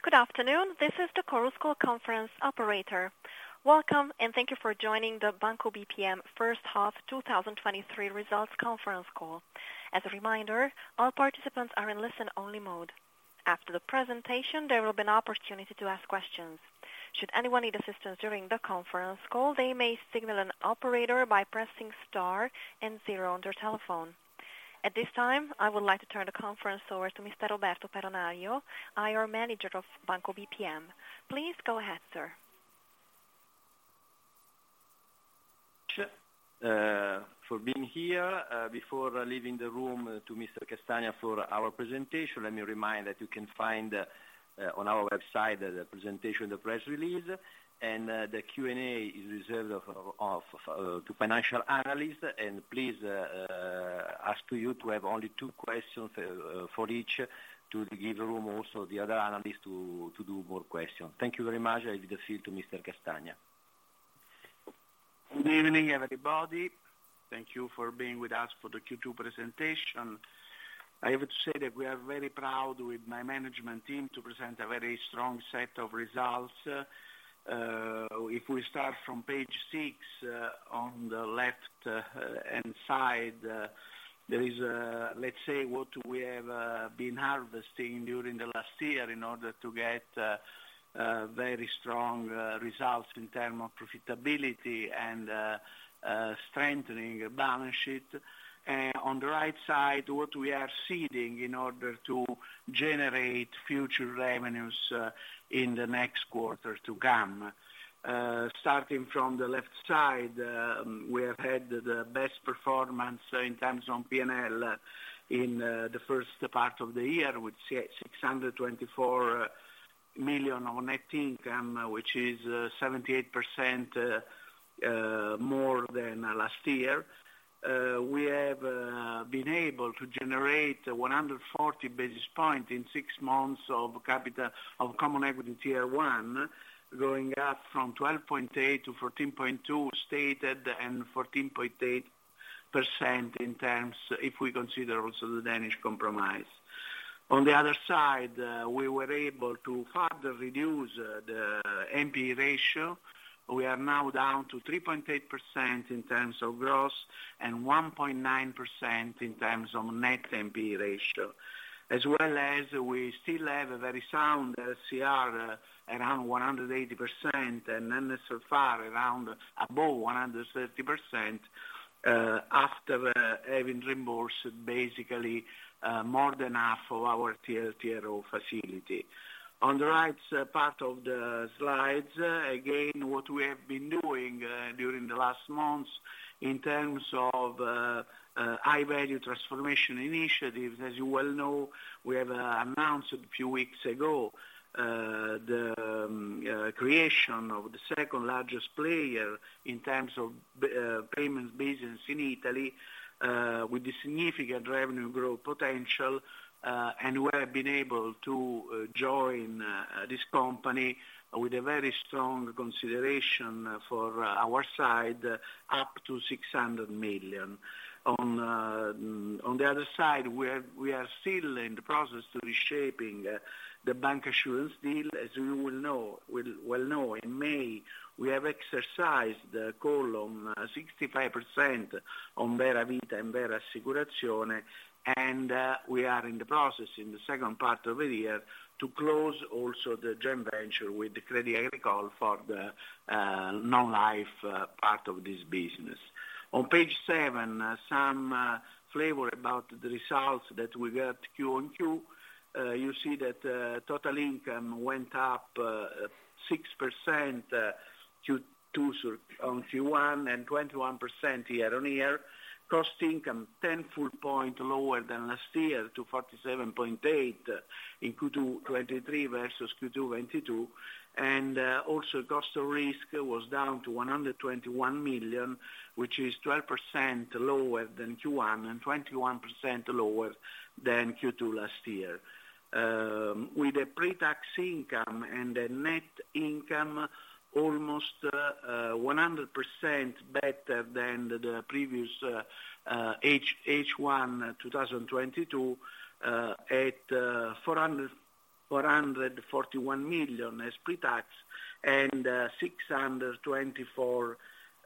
Good afternoon, this is the Chorus Call Conference operator. Welcome, and thank you for joining the Banco BPM first half 2023 results conference call. As a reminder, all participants are in listen-only mode. After the presentation, there will be an opportunity to ask questions. Should anyone need assistance during the conference call, they may signal an operator by pressing star and zero on their telephone. At this time, I would like to turn the conference over to Mr. Roberto Peronaglio, IR Manager of Banco BPM. Please go ahead, sir.... for being here, before leaving the room to Mr. Castagna for our presentation, let me remind that you can find on our website the presentation, the press release, and the Q&A is reserved to financial analysts. Please, ask to you to have only two questions for each, to give room also the other analysts to do more questions. Thank you very much. I give the floor to Mr. Castagna. Good evening, everybody. Thank you for being with us for the Q2 presentation. I have to say that we are very proud with my management team to present a very strong set of results. If we start from page six, on the left hand side, there is, let's say what we have been harvesting during the last year in order to get very strong results in terms of profitability and strengthening the balance sheet. On the right side, what we are seeding in order to generate future revenues in the next quarter to come. Starting from the left side, we have had the best performance in terms of P&L in the first part of the year, with 624 million on net income, which is 78% more than last year. We have been able to generate 140 basis points in 6 months of capital, of Common Equity Tier 1, going up from 12.8 to 14.2 stated, and 14.8% in terms if we consider also the Danish Compromise. On the other side, we were able to further reduce the NPE ratio. We are now down to 3.8% in terms of gross, and 1.9% in terms of net NPE ratio. We still have a very sound CR, around 180%, and NSFR around, above 130%, after having reimbursed basically more than half of our TLTRO facility. On the right part of the slides, again, what we have been doing during the last months in terms of high-value transformation initiatives. As you well know, we have announced a few weeks ago the creation of the second-largest player in terms of payments business in Italy, with the significant revenue growth potential, and we have been able to join this company with a very strong consideration for our side, up to 600 million. On the other side, we are still in the process to reshaping the bancassurance deal. As you will know, we well know in May, we have exercised the call on 65% on Vera Vita and Vera Assicurazioni, and we are in the process in the second part of the year to close also the joint venture with the Crédit Agricole for the non-life part of this business. On page seven, some flavor about the results that we got Q-on-Q. You see that, total income went up 6% Q2 on Q1, and 21% year-on-year. Cost Income, 10 full point lower than last year to 47.8 in Q2 2023 versus Q2 2022. Also, Cost of Risk was down to 121 million, which is 12% lower than Q1 and 21% lower than Q2 last year. Um, with a pre-tax income and a net income, almost, uh, uh, one hundred percent better than the previous, uh, uh, H, H1 two thousand and twenty-two, uh, at, uh, four hundred, four hundred and forty-one million as pre-tax, and, uh, six hundred and twenty-four,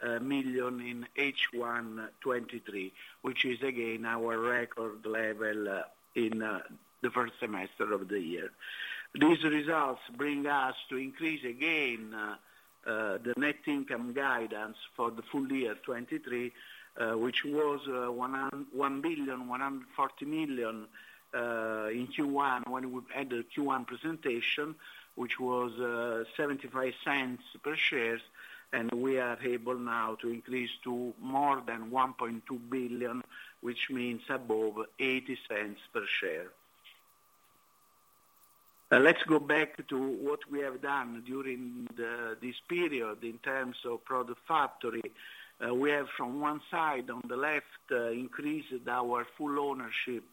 uh, million in H1 twenty-three, which is again our record level, uh, in, uh, the first semester of the year. These results bring us to increase again, uh, the net income guidance for the full year twenty-three, uh, which was, uh, one hun- one billion, one hundred and forty million, uh, in Q1, when we had the Q1 presentation, which was, uh, seventy-five cents per share, and we are able now to increase to more than one point two billion, which means above eighty cents per share. Let's go back to what we have done during the, this period in terms of product factory. We have from one side, on the left, increased our full ownership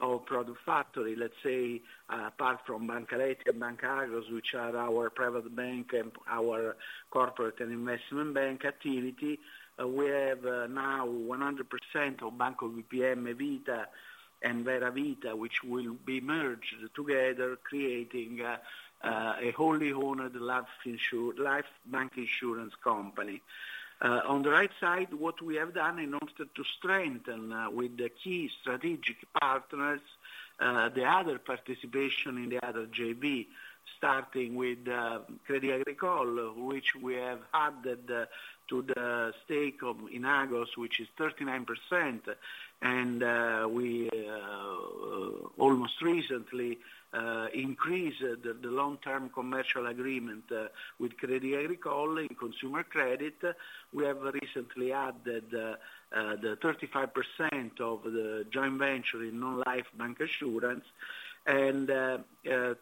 of product factory. Let's say, apart from Banca Aletti and Banca Akros, which are our private bank and our corporate and investment bank activity, we have now 100% of Banco BPM Vita and Vera Vita, which will be merged together, creating a wholly owned life bancassurance company. On the right side, what we have done in order to strengthen with the key strategic partners, the other participation in the other JV, starting with Crédit Agricole, which we have added to the stake of in Agos, which is 39%. We, almost recently, increased the long-term commercial agreement with Crédit Agricole in consumer credit. We have recently added the 35% of the joint venture in non-life bancassurance.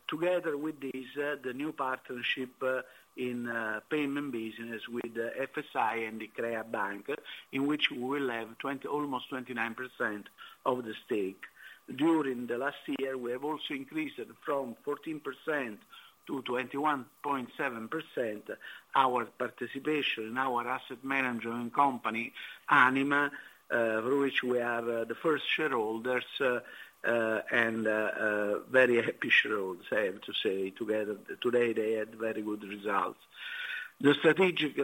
Together with this, the new partnership in payments business with FSI and Iccrea Banca, in which we will have 20, almost 29% of the stake. During the last year, we have also increased from 14% to 21.7%, our participation in our asset management company, Anima, for which we are the first shareholders, and very happy shareholders, I have to say, together. Today, they had very good results. The strategic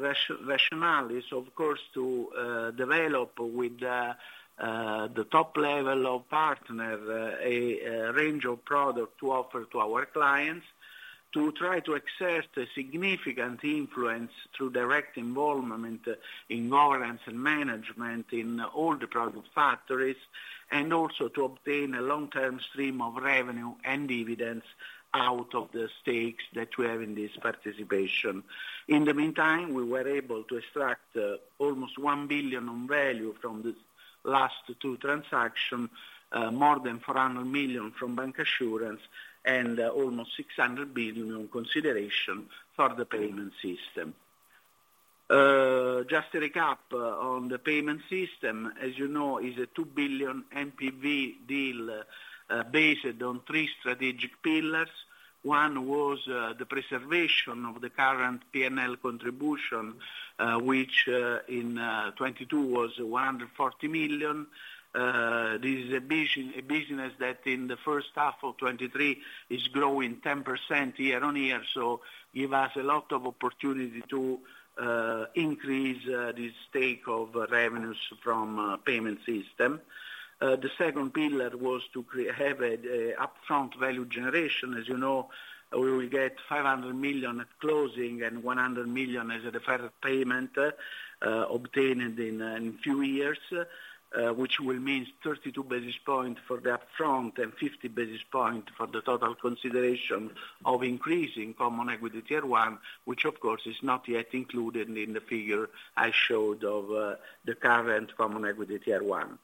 rationale is, of course, to develop with the top level of partner a range of product to offer to our clients, to try to exert a significant influence through direct involvement in governance and management in all the product factories, and also to obtain a long-term stream of revenue and dividends out of the stakes that we have in this participation. In the meantime, we were able to extract almost 1 billion on value from the last two transactions, more than 400 million from bancassurance, and almost 600 billion on consideration for the payment system. Just to recap on the payment system, as you know, is a 2 billion NPV deal, based on three strategic pillars. One was the preservation of the current P&L contribution, which in 2022 was 140 million. This is a business that in the first half of 2023 is growing 10% year-on-year, so give us a lot of opportunity to increase this stake of revenues from payment system. The second pillar was to create, have upfront value generation. As you know, we will get 500 million at closing and 100 million as a deferred payment, obtained in two years, which will mean 32 basis points for the upfront and 50 basis points for the total consideration of increasing Common Equity Tier 1, which, of course, is not yet included in the figure I showed of the current Common Equity Tier 1.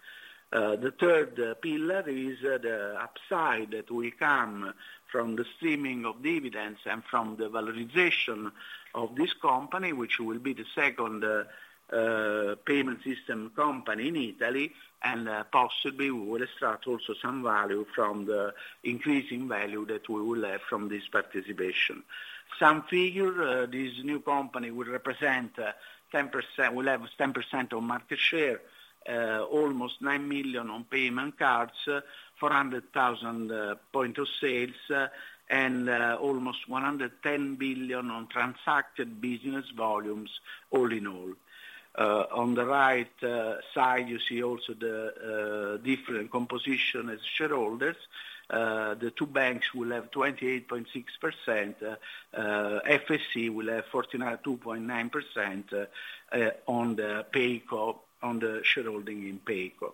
The third pillar is the upside that will come from the streaming of dividends and from the valorization of this company, which will be the second payment system company in Italy, and possibly we will extract also some value from the increasing value that we will have from this participation. Some figure, this new company will represent 10%, will have 10% of market share, almost 9 million on payment cards, 400,000 point of sales, and almost 110 billion on transacted business volumes, all in all. On the right side, you see also the different composition as shareholders. The two banks will have 28.6%, FSI will have 49.29%, on the PayCo, on the shareholding in PayCo.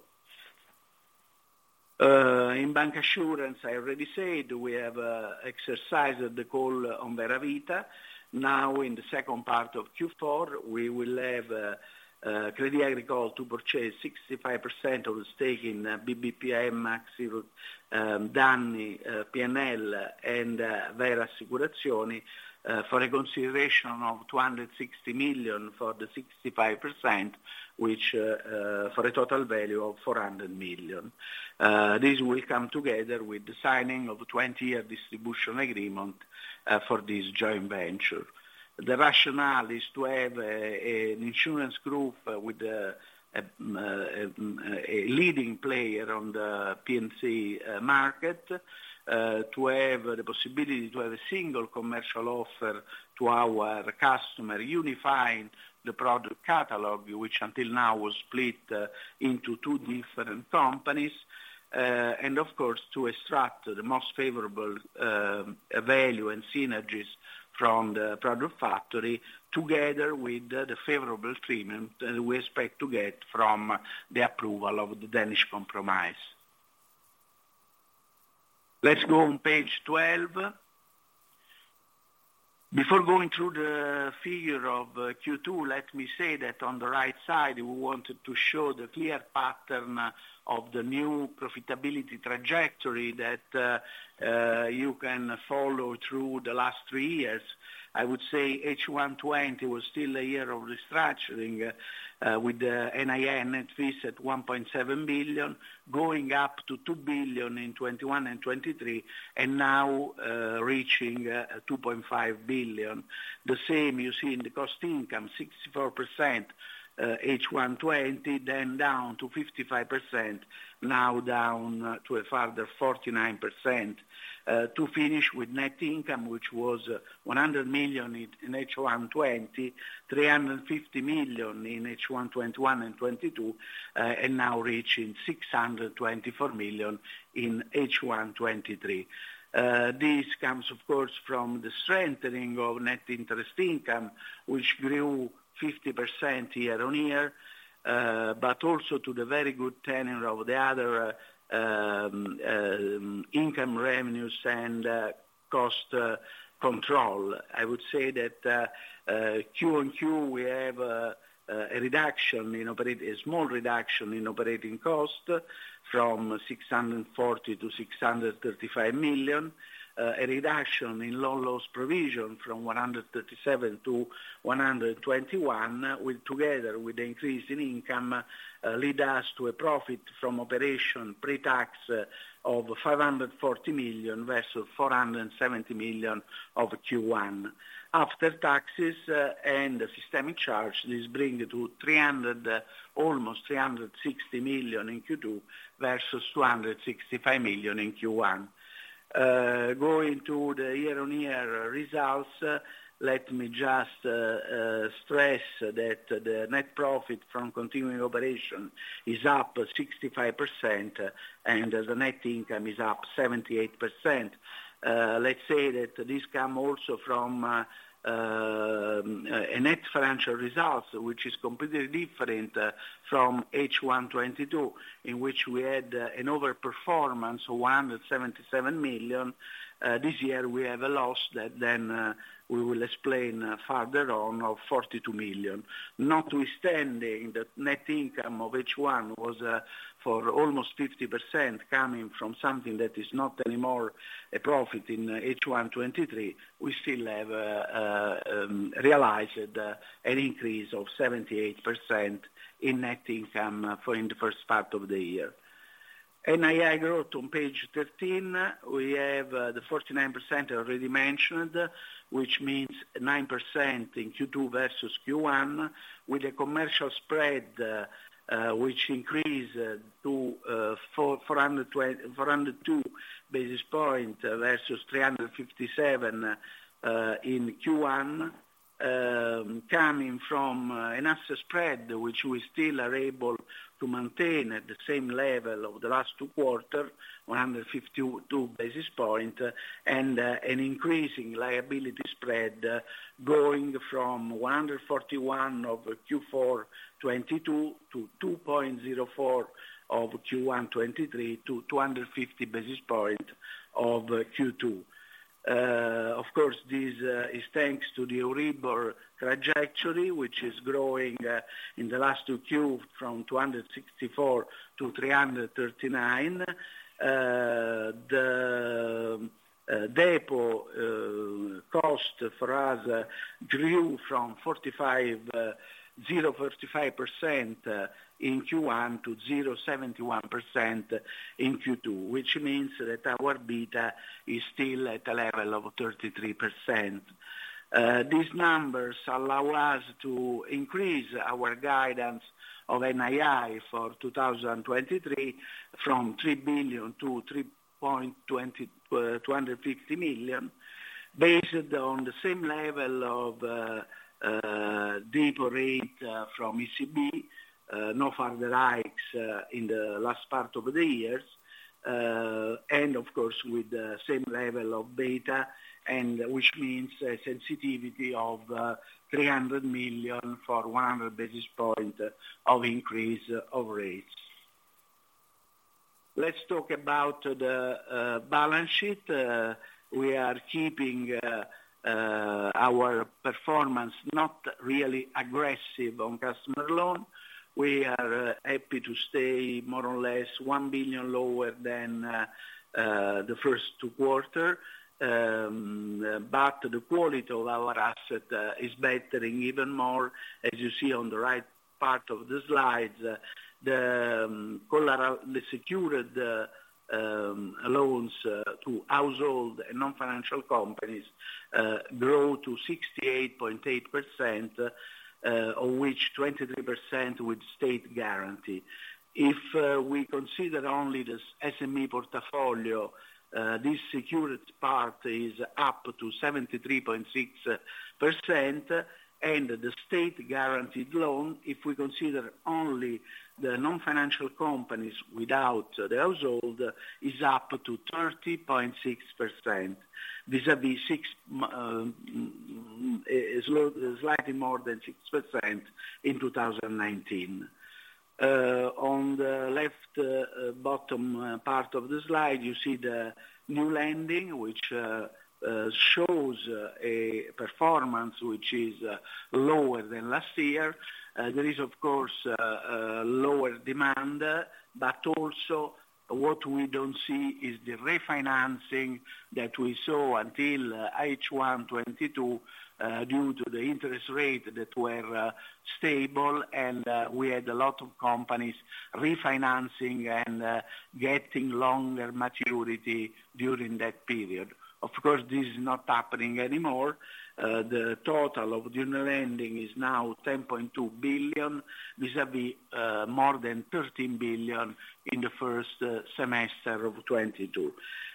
In bancassurance, I already said, we have exercised the call on Vera Vita. In the second part of Q4, we will have Crédit Agricole to purchase 65% of the stake in BPM Assicurazioni and Vera Assicurazioni, for a consideration of 260 million for the 65%, which for a total value of 400 million. This will come together with the signing of a 20-year distribution agreement for this joint venture. The rationale is to have an insurance group with a leading player on the P&C market, to have the possibility to have a single commercial offer to our customer, unifying the product catalog, which until now was split into two different companies. Of course, to extract the most favorable value and synergies from the product factory, together with the favorable treatment that we expect to get from the approval of the Danish Compromise. Let's go on page 12. Before going through the figure of Q2, let me say that on the right side, we wanted to show the clear pattern of the new profitability trajectory that you can follow through the last three years. I would say H1'20 was still a year of restructuring, with the NII net fees at 1.7 billion, going up to 2 billion in 2021 and 2023, and now reaching 2.5 billion. The same you see in the Cost/Income, 64% H1'20, then down to 55%, now down to a further 49%. To finish with net income, which was 100 million in H1'20, 350 million in H1 '21 and H1'22, and now reaching 624 million in H1'23. This comes, of course, from the strengthening of net interest income, which grew 50% year-on-year, also to the very good tenure of the other income revenues and cost control. I would say that Q-on-Q, we have a reduction in operating, a small reduction in operating costs, from 640 million to 635 million. A reduction in loan loss provision from 137 to 121, with together with the increase in income, lead us to a profit from operation pre-tax of 540 million versus 470 million of Q1. After taxes and the systemic charge, this bring to almost 360 million in Q2, versus 265 million in Q1. Going to the year-on-year results, let me just stress that the net profit from continuing operation is up 65%, and the net income is up 78%. Let's say that this come also from a net financial results, which is completely different from H1'22, in which we had an overperformance of 177 million. This year, we have a loss that then we will explain farther on, of 42 million. Notwithstanding, the net income of H1 was for almost 50%, coming from something that is not anymore a profit in H1'23. We still have realized an increase of 78% in net income for in the first part of the year. NII growth on page 13, we have the 49% I already mentioned, which means 9% in Q2 versus Q1, with a commercial spread which increased to 402 basis points versus 357 in Q1. Coming from an asset spread, which we still are able to maintain at the same level of the last 2 quarters, 152 basis points, and an increasing liability spread, growing from 141 of Q4 '22 to 2.04 of Q1 '23 to 250 basis points of Q2. Of course, this is thanks to the EURIBOR trajectory, which is growing in the last 2 Q from 264 to 339. The depot cost for us grew from 0.45% in Q1 to 0.71% in Q2, which means that our beta is still at a level of 33%. These numbers allow us to increase our guidance of NII for 2023, from 3 billion to 3.25 billion, based on the same level of depot rate from ECB, no further hikes in the last part of the years. Of course, with the same level of beta, which means a sensitivity of 300 million for 100 basis points of increase of rates. Let's talk about the balance sheet. We are keeping our performance not really aggressive on customer loans. We are happy to stay more or less 1 billion lower than the first 2 quarters. But the quality of our assets is bettering even more. As you see on the right part of the slide, the collateral, the secured loans to household and non-financial companies grow to 68.8%, of which 23% with state guarantee. If we consider only the SME portfolio, this secured part is up to 73.6%, and the state guaranteed loan, if we consider only the non-financial companies without the household, is up to 30.6%, vis-à-vis slightly more than 6% in 2019. On the left, bottom part of the slide, you see the new lending, which shows a performance which is lower than last year. There is, of course, a lower demand, but also what we don't see is the refinancing that we saw until H1 2022, due to the interest rate that were stable, and we had a lot of companies refinancing and getting longer maturity during that period. Of course, this is not happening anymore. The total of general lending is now 10.2 billion, vis-à-vis, more than 13 billion in the first semester of 2022.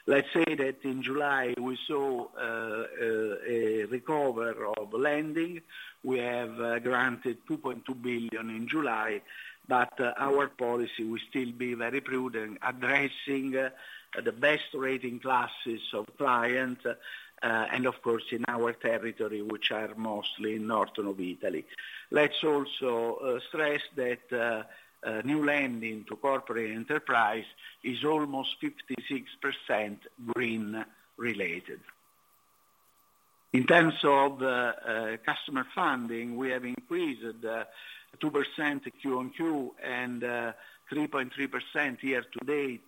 Let's say that in July, we saw a recover of lending. We have granted 2.2 billion in July, but our policy will still be very prudent, addressing the best rating classes of client, and of course, in our territory, which are mostly in northern of Italy. Let's also stress that new lending to corporate enterprise is almost 56% green related. In terms of customer funding, we have increased 2% Q-on-Q, and 3.3% year to date,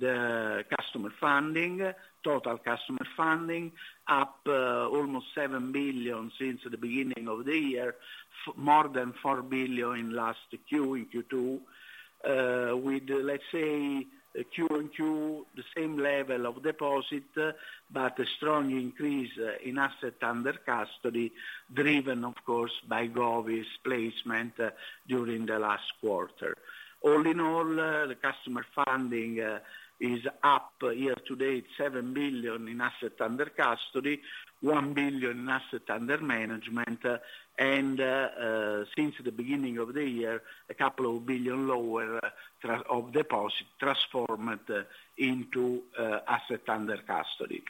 the customer funding, total customer funding, up almost 7 billion since the beginning of the year, more than 4 billion in last Q, in Q2. With, let's say, Q-on-Q, the same level of deposit, but a strong increase in asset under custody, driven, of course, by Govis placement during the last quarter. All in all, the customer funding is up year to date, 7 billion in asset under custody, 1 billion in asset under management, and since the beginning of the year, 2 billion lower of deposit transformed into asset under custody.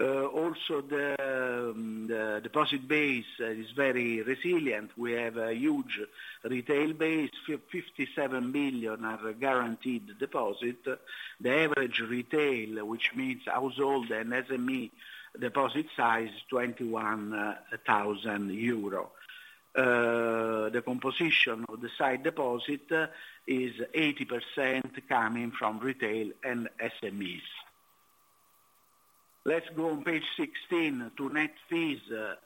Also the deposit base is very resilient. We have a huge retail base, 57 billion are guaranteed deposit. The average retail, which means household and SME deposit size, 21,000 euro. The composition of the side deposit is 80% coming from retail and SMEs. Let's go on page 16 to net fees,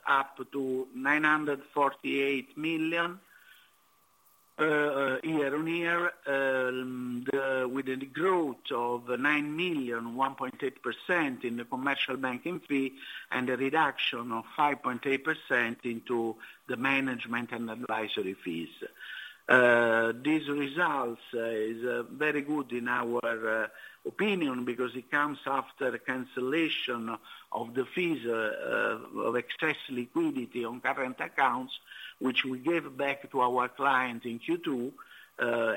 up to 948 million year-on-year, with a growth of 9 million, 1.8% in the commercial banking fee, and a reduction of 5.8% into the management and advisory fees. These results are very good in our opinion because it comes after cancellation of the fees of excess liquidity on current accounts, which we gave back to our clients in Q2,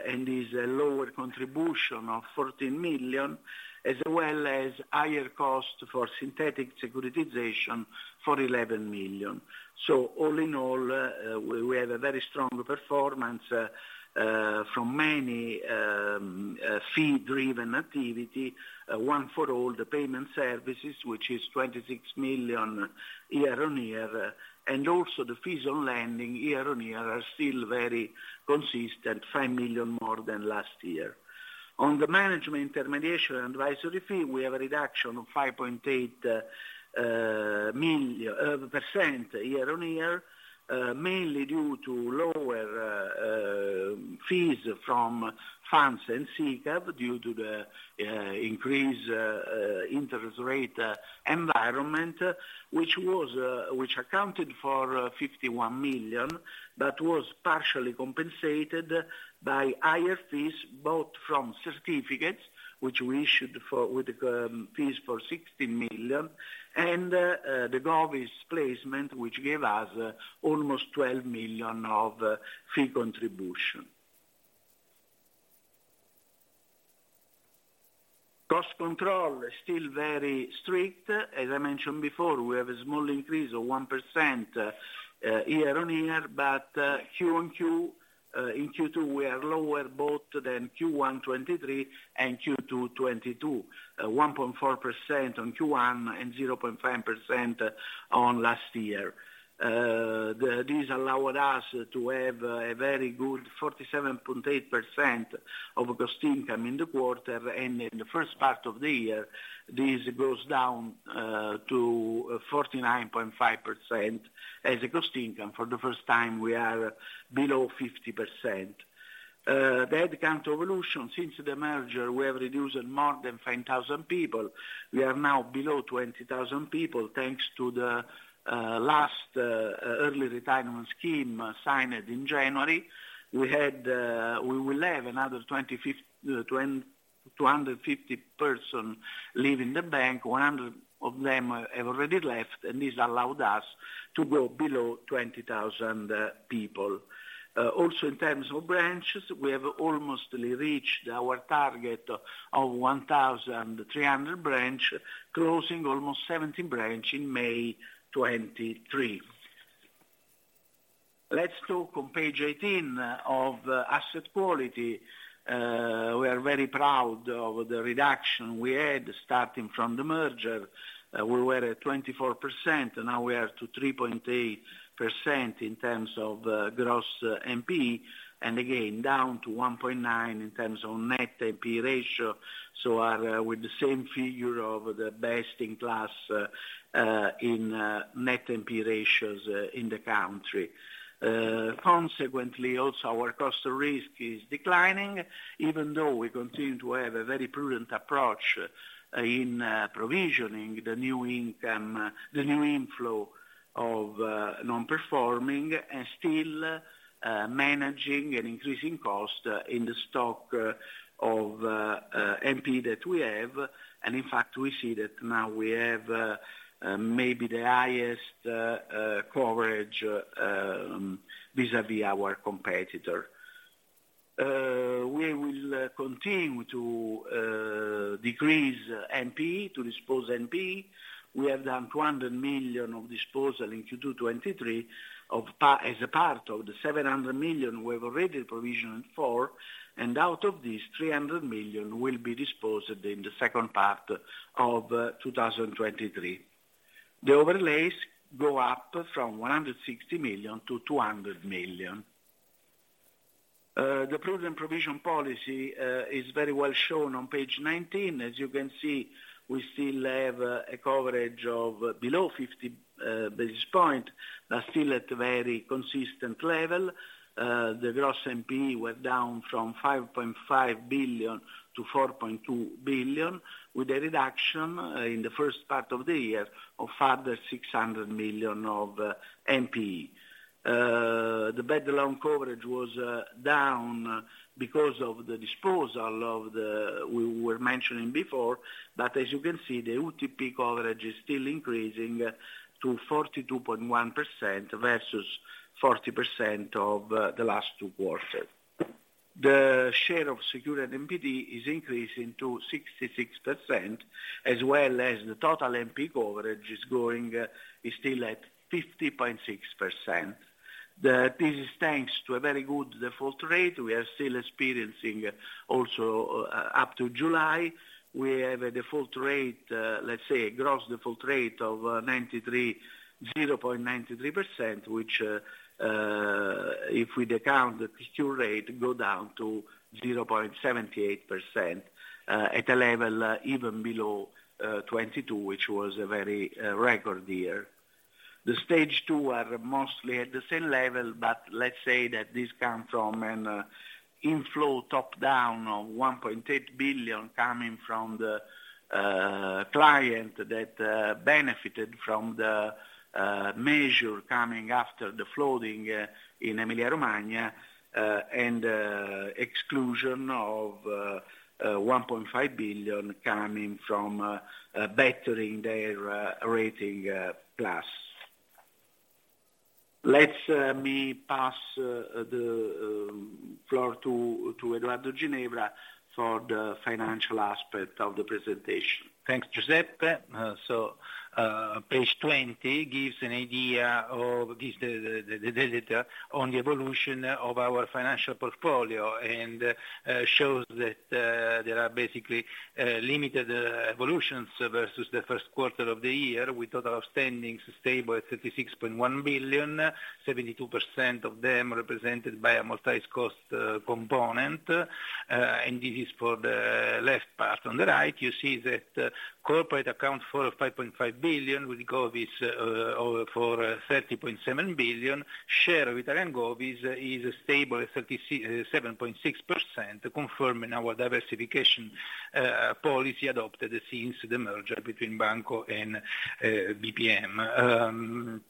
and is a lower contribution of 14 million, as well as higher cost for synthetic securitization for 11 million. So all in all, we have a very strong performance from many fee-driven activity. One for all, the payment services, which is 26 million year-on-year, and also the fees on lending year-on-year are still very consistent, 5 million more than last year. On the management, intermediation, and advisory fee, we have a reduction of 5.8 million percent year-on-year, mainly due to lower fees from funds and SICAV, due to the increased interest rate environment, which was, which accounted for 51 million, but was partially compensated by higher fees, both from certificates, which we issued for, with, fees for 16 million, and the Govis placement, which gave us almost 12 million of fee contribution. Cost control is still very strict. As I mentioned before, we have a small increase of 1% year-on-year, but Q-on-Q in Q2, we are lower both than Q1 2023 and Q2 2022, 1.4% on Q1 and 0.5% on last year. This allowed us to have a very good 47.8% of Cost/Income in the quarter, and in the first part of the year, this goes down to 49.5% as a Cost/Income. For the first time, we are below 50%. The headcount evolution. Since the merger, we have reduced more than 5,000 people. We are now below 20,000 people, thanks to the last early retirement scheme signed in January. We will have another 250 person leaving the bank. 100 of them have already left, and this allowed us to go below 20,000 people. Also in terms of branches, we have almost reached our target of 1,300 branch, closing almost 17 branch in May 2023. Let's talk on page 18 of asset quality. We are very proud of the reduction we had, starting from the merger. We were at 24%, and now we are to 3.8% in terms of gross NPE. Again, down to 1.9 in terms of net NPE ratio, so are with the same figure of the best in class in net NPE ratios in the country. Consequently, also, our Cost of Risk is declining, even though we continue to have a very prudent approach in provisioning the new income, the new inflow of non-performing, and still managing and increasing cost in the stock of NPE that we have. In fact, we see that now we have maybe the highest coverage vis-à-vis our competitor. We will continue to decrease NPE, to dispose NPE. We have done 200 million of disposal in Q2 2023, as a part of the 700 million we have already provisioned for, and out of these, 300 million will be disposed in the second part of 2023. The overlays go up from 160 million to 200 million. The prudent provision policy is very well shown on page 19. As you can see, we still have a coverage of below 50 basis points, but still at a very consistent level. The gross NPE went down from 5.5 billion to 4.2 billion, with a reduction in the first part of the year of further 600 million of NPE. The bad loan coverage was down because of the disposal of the... we were mentioning before, but as you can see, the UTP coverage is still increasing to 42.1% versus 40% of the last two quarters. The share of secured NPD is increasing to 66%, as well as the total NPE coverage is growing, is still at 50.6%. This is thanks to a very good default rate. We are still experiencing also, up to July, we have a default rate, let's say, a gross default rate of 0.93%, which, if we discount the secure rate, go down to 0.78%, at a level even below 2022, which was a very record year. The stage two are mostly at the same level, but let's say that this comes from an inflow top-down of 1.8 billion coming from the client that benefited from the measure coming after the flooding in Emilia-Romagna, and exclusion of 1.5 billion coming from bettering their rating class. Let's me pass the floor to Edoardo Ginevra for the financial aspect of the presentation. Thanks, Giuseppe. Page 20 gives an idea of this data on the evolution of our financial portfolio, and shows that there are basically limited evolutions versus the first quarter of the year, with total outstanding sustainable at 36.1 billion, 72% of them represented by amortized cost component, and this is for the left part. On the right, you see that corporate account for 5.5 billion, with Govis over for 30.7 billion. Share of Italian Govis is stable at 37.6%, confirming our diversification policy adopted since the merger between Banco and BPM.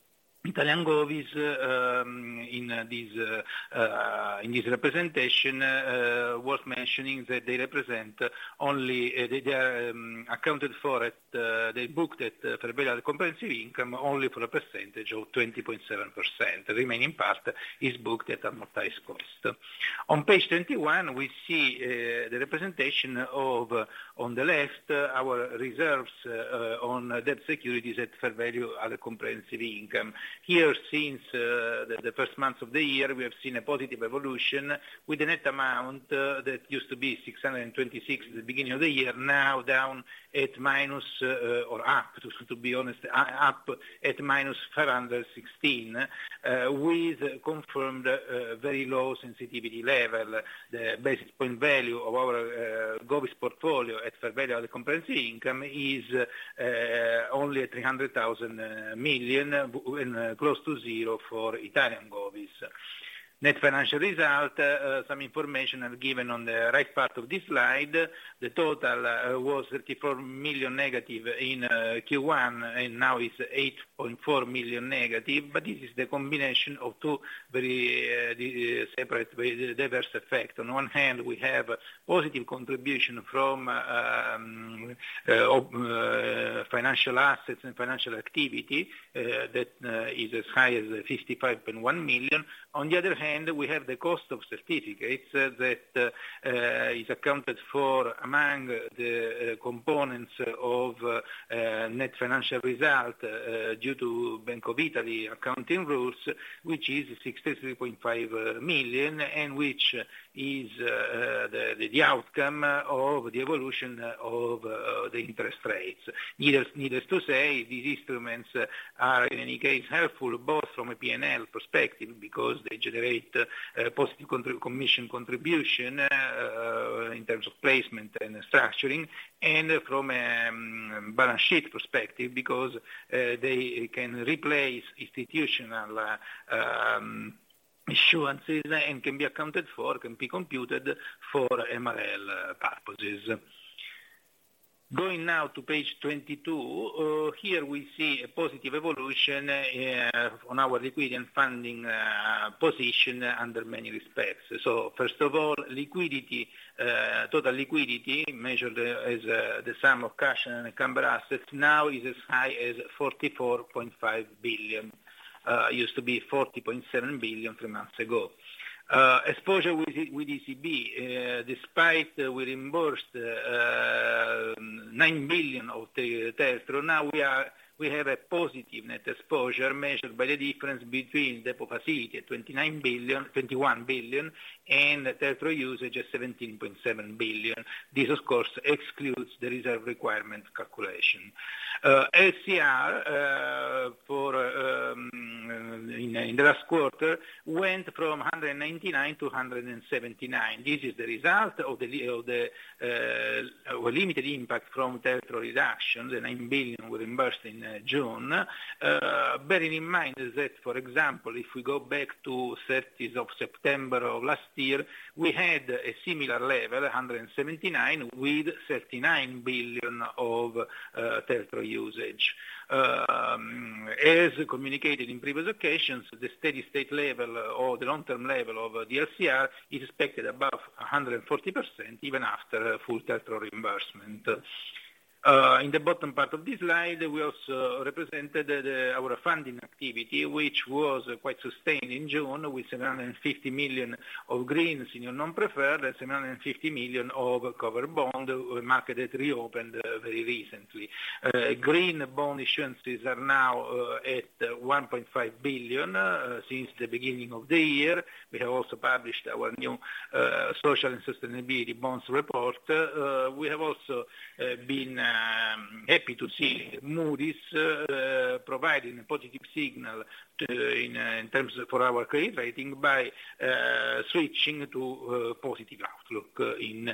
Italian Govis, in this representation, worth mentioning that they represent only, they are accounted for at, they booked it for value comprehensive income, only for a percentage of 20.7%. The remaining part is booked at amortized cost. On page 21, we see the representation of, on the left, our reserves on debt securities at fair value at comprehensive income. Here, since the first months of the year, we have seen a positive evolution with a net amount that used to be 626 at the beginning of the year, now down at minus, or up, to be honest, up at -516, with confirmed very low sensitivity level. The basis point value of our Govis portfolio at fair value at comprehensive income is only at 300 billion, and close to zero for Italian Govis. Net financial result, some information are given on the right part of this slide. The total was 34 million negative in Q1, and now is 8.4 million negative. This is the combination of two very separate, very diverse effects. On one hand, we have a positive contribution from financial assets and financial activity that is as high as 55.1 million. On the other hand, we have the cost of certificates that is accounted for among the components of net financial result, due to Bank of Italy accounting rules, which is 63.5 million, and which is the outcome of the evolution of the interest rates. Needless, needless to say, these instruments are, in any case, helpful, both from a P&L perspective, because they generate positive commission contribution in terms of placement and structuring, and from balance sheet perspective, because they can replace institutional issuances and can be accounted for, can be computed for MRL purposes. Going now to page 22, here we see a positive evolution on our liquidity and funding position under many respects. First of all, liquidity, total liquidity, measured as the sum of cash and comparable assets, now is as high as 44.5 billion. It used to be 40.7 billion 3 months ago. Exposure with ECB, despite we reimbursed 9 billion of the TLTRO, now we have a positive net exposure, measured by the difference between the repo facility, 21 billion, and TLTRO usage is 17.7 billion. This, of course, excludes the reserve requirement calculation. LCR, for the last quarter, went from 199 to 179. This is the result of the limited impact from TLTRO reduction, the 9 billion reimbursed in June. Bearing in mind that, for example, if we go back to 30th of September of last year, we had a similar level, 179%, with 39 billion of TLTRO usage. As communicated in previous occasions, the steady state level or the long-term level of the LCR is expected above 140%, even after a full TLTRO reimbursement. In the bottom part of this slide, we also represented the, our funding activity, which was quite sustained in June, with 750 million of greens in your non-preferred, and 750 million of covered bond, the market that reopened very recently. Green bond issuances are now at 1.5 billion since the beginning of the year. We have also published our new social and sustainability bonds report. We have also been happy to see Moody's providing a positive signal to, in terms of for our credit rating by switching to positive outlook in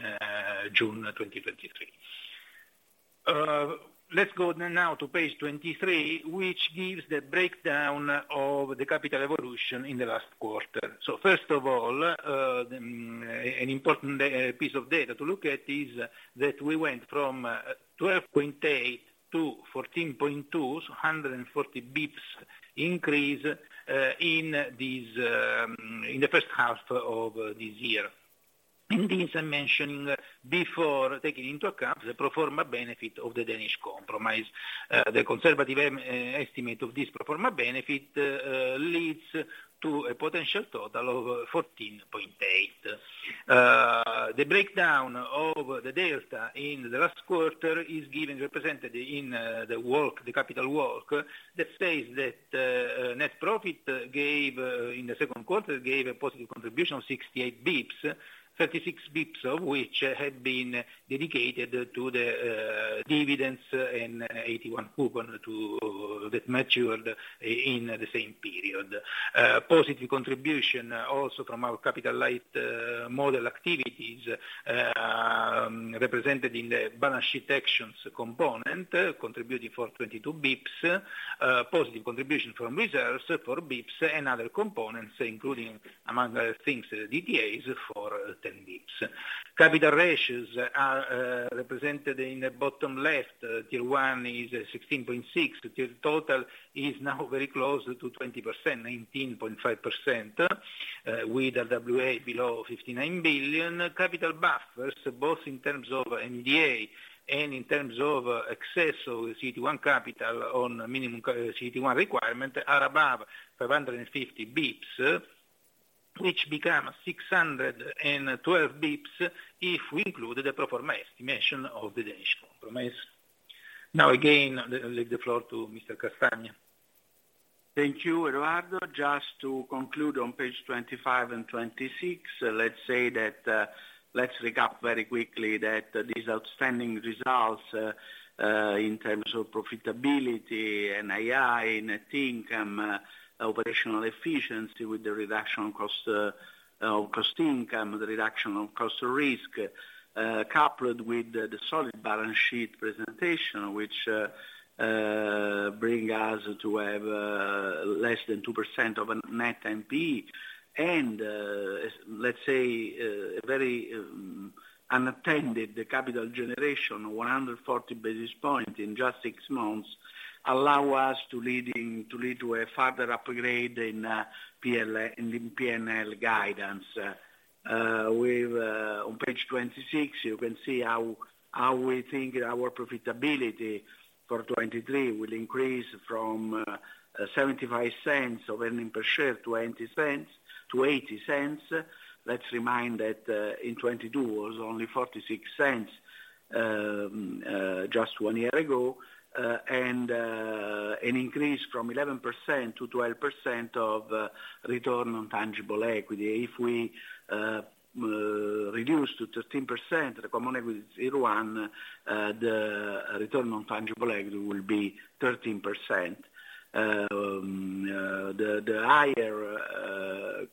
June 2023. Let's go now to page 23, which gives the breakdown of the capital evolution in the last quarter. First of all, an important piece of data to look at is that we went from 12.8 to 14.2, so 140 bips increase in these in the first half of this year. This I'm mentioning, before taking into account the pro forma benefit of the Danish Compromise. The conservative estimate of this pro forma benefit leads to a potential total of 14.8. The breakdown of the delta in the last quarter is given, represented in the work, the capital work, that says that net profit in the second quarter, gave a positive contribution of 68 basis points, 36 basis points of which had been dedicated to the dividends and 81 coupon to that matured in the same period. Positive contribution also from our capital light model activities, represented in the balance sheet actions component, contributing for 22 basis points, positive contribution from reserves, 4 basis points, and other components, including, among other things, DTAs for 10 basis points. Capital ratios are represented in the bottom left. Tier 1 is 16.6. Total Tier is now very close to 20%, 19.5%, with AWA below 59 billion. Capital buffers, both in terms of MDA and in terms of excess of CT1 capital on minimum CT1 requirement, are above 550 basis points, which become 612 basis points if we include the pro forma estimation of the Danish Compromise. Again, I leave the floor to Mr. Castagna. Thank you, Eduardo. Just to conclude on page 25 and 26, let's say that let's recap very quickly that these outstanding results, in terms of profitability and NII, net income, operational efficiency with the reduction of Cost/Income, the reduction of Cost of Risk, coupled with the solid balance sheet presentation, which bring us to have less than 2% of a net NPE. let's say a very unattended capital generation, 140 basis points in just six months, allow us to lead to a further upgrade in P&L, in the P&L guidance. we've on page 26, you can see how, how we think our profitability for 2023 will increase from 0.75 of earning per share to 0.80, to 0.80. Let's remind that in 2022, it was only 0.46, just one year ago, an increase from 11% to 12% of return on tangible equity. If we reduce to 13% the Common Equity Tier 1, the return on tangible equity will be 13%. The higher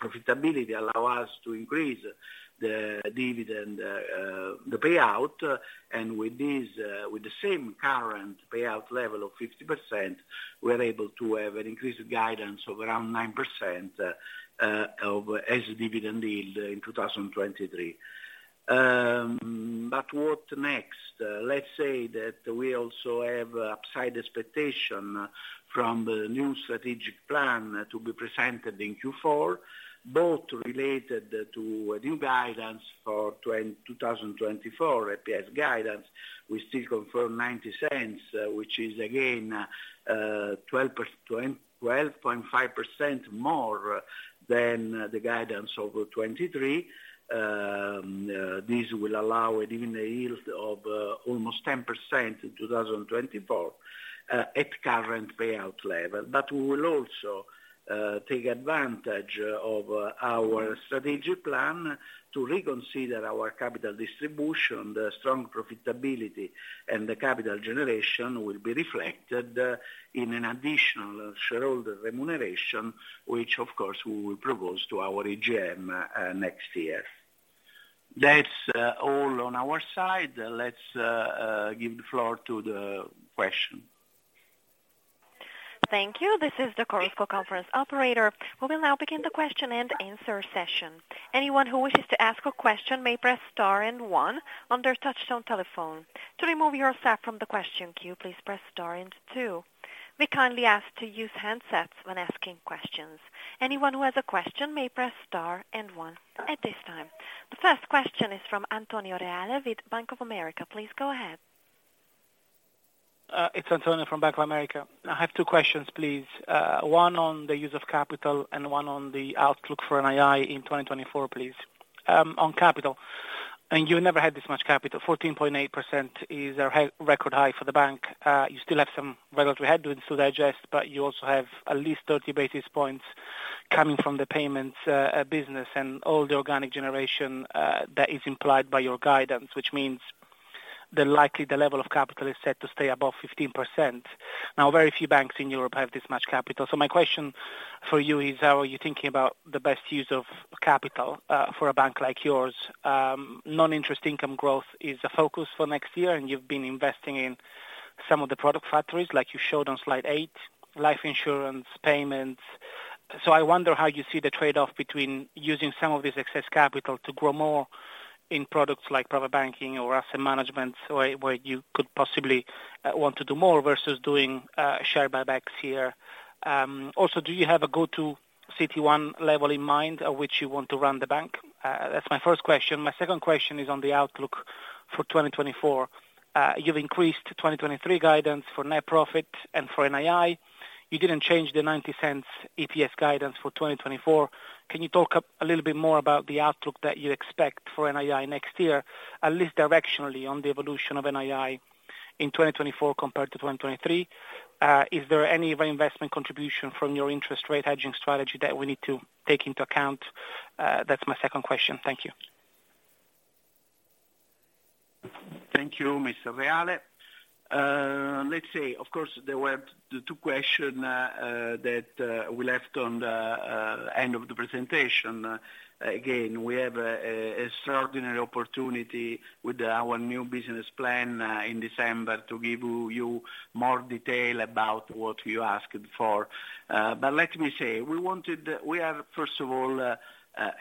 profitability allow us to increase the dividend, the payout, with this, with the same current payout level of 50%, we're able to have an increased guidance of around 9% dividend yield in 2023. What next? Let's say that we also have upside expectation from the new strategic plan to be presented in Q4, both related to a new guidance for 2024 EPS guidance. We still confirm 0.90, which is again, 12.5% more than the guidance of 2023. This will allow a dividend yield of almost 10% in 2024 at current payout level. We will also take advantage of our strategic plan to reconsider our capital distribution. The strong profitability and the capital generation will be reflected in an additional shareholder remuneration, which of course, we will propose to our AGM next year. That's all on our side. Let's give the floor to the question. Thank you. This is the Chorus Call Conference operator. We will now begin the question and answer session. Anyone who wishes to ask a question may press star and one on their touchtone telephone. To remove yourself from the question queue, please press star and two. We kindly ask to use handsets when asking questions. Anyone who has a question may press star and one at this time. The first question is from Antonio Reale with Bank of America. Please go ahead. It's Antonio from Bank of America. I have two questions, please. One on the use of capital and one on the outlook for NII in 2024, please. On capital, you never had this much capital, 14.8% is a record high for the bank. You still have some regulatory headwinds to digest, but you also have at least 30 basis points coming from the payments business and all the organic generation that is implied by your guidance, which means the likely the level of capital is set to stay above 15%. Now, very few banks in Europe have this much capital. My question for you is, how are you thinking about the best use of capital for a bank like yours? non-interest income growth is a focus for next year, and you've been investing in some of the product factories like you showed on slide 8, life insurance, payments. I wonder how you see the trade-off between using some of this excess capital to grow more in products like private banking or asset management, where, where you could possibly, want to do more versus doing, share buybacks here. Also, do you have a go-to Common Equity Tier 1 level in mind at which you want to run the bank? That's my first question. My second question is on the outlook for 2024. You've increased 2023 guidance for net income and for NII. You didn't change the 0.90 EPS guidance for 2024. Can you talk a little bit more about the outlook that you expect for NII next year, at least directionally, on the evolution of NII in 2024 compared to 2023? Is there any reinvestment contribution from your interest rate hedging strategy that we need to take into account? That's my second question. Thank you. Thank you, Mr. Reale. let's say, of course, there were the two question that we left on the end of the presentation. Again, we have a, a extraordinary opportunity with our new business plan in December to give you, you more detail about what you asked for. Let me say, we are, first of all, a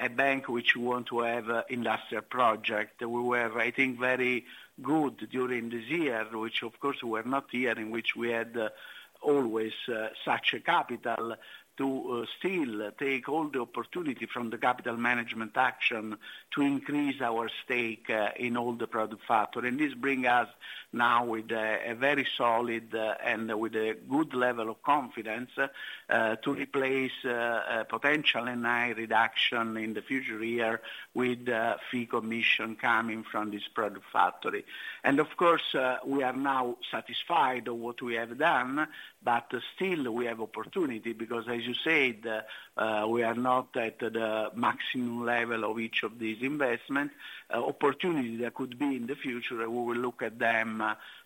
bank which we want to have industrial project. We were, I think, very good during this year, which of course, we're not year, in which we had always such a capital to still take all the opportunity from the capital management action to increase our stake in all the product factory. This bring us now with a very solid and with a good level of confidence to replace a potential NII reduction in the future year with fee commission coming from this product factory. Of course, we are now satisfied with what we have done, but still we have opportunity, because as you said, we are not at the maximum level of each of these investments. Opportunities that could be in the future, we will look at them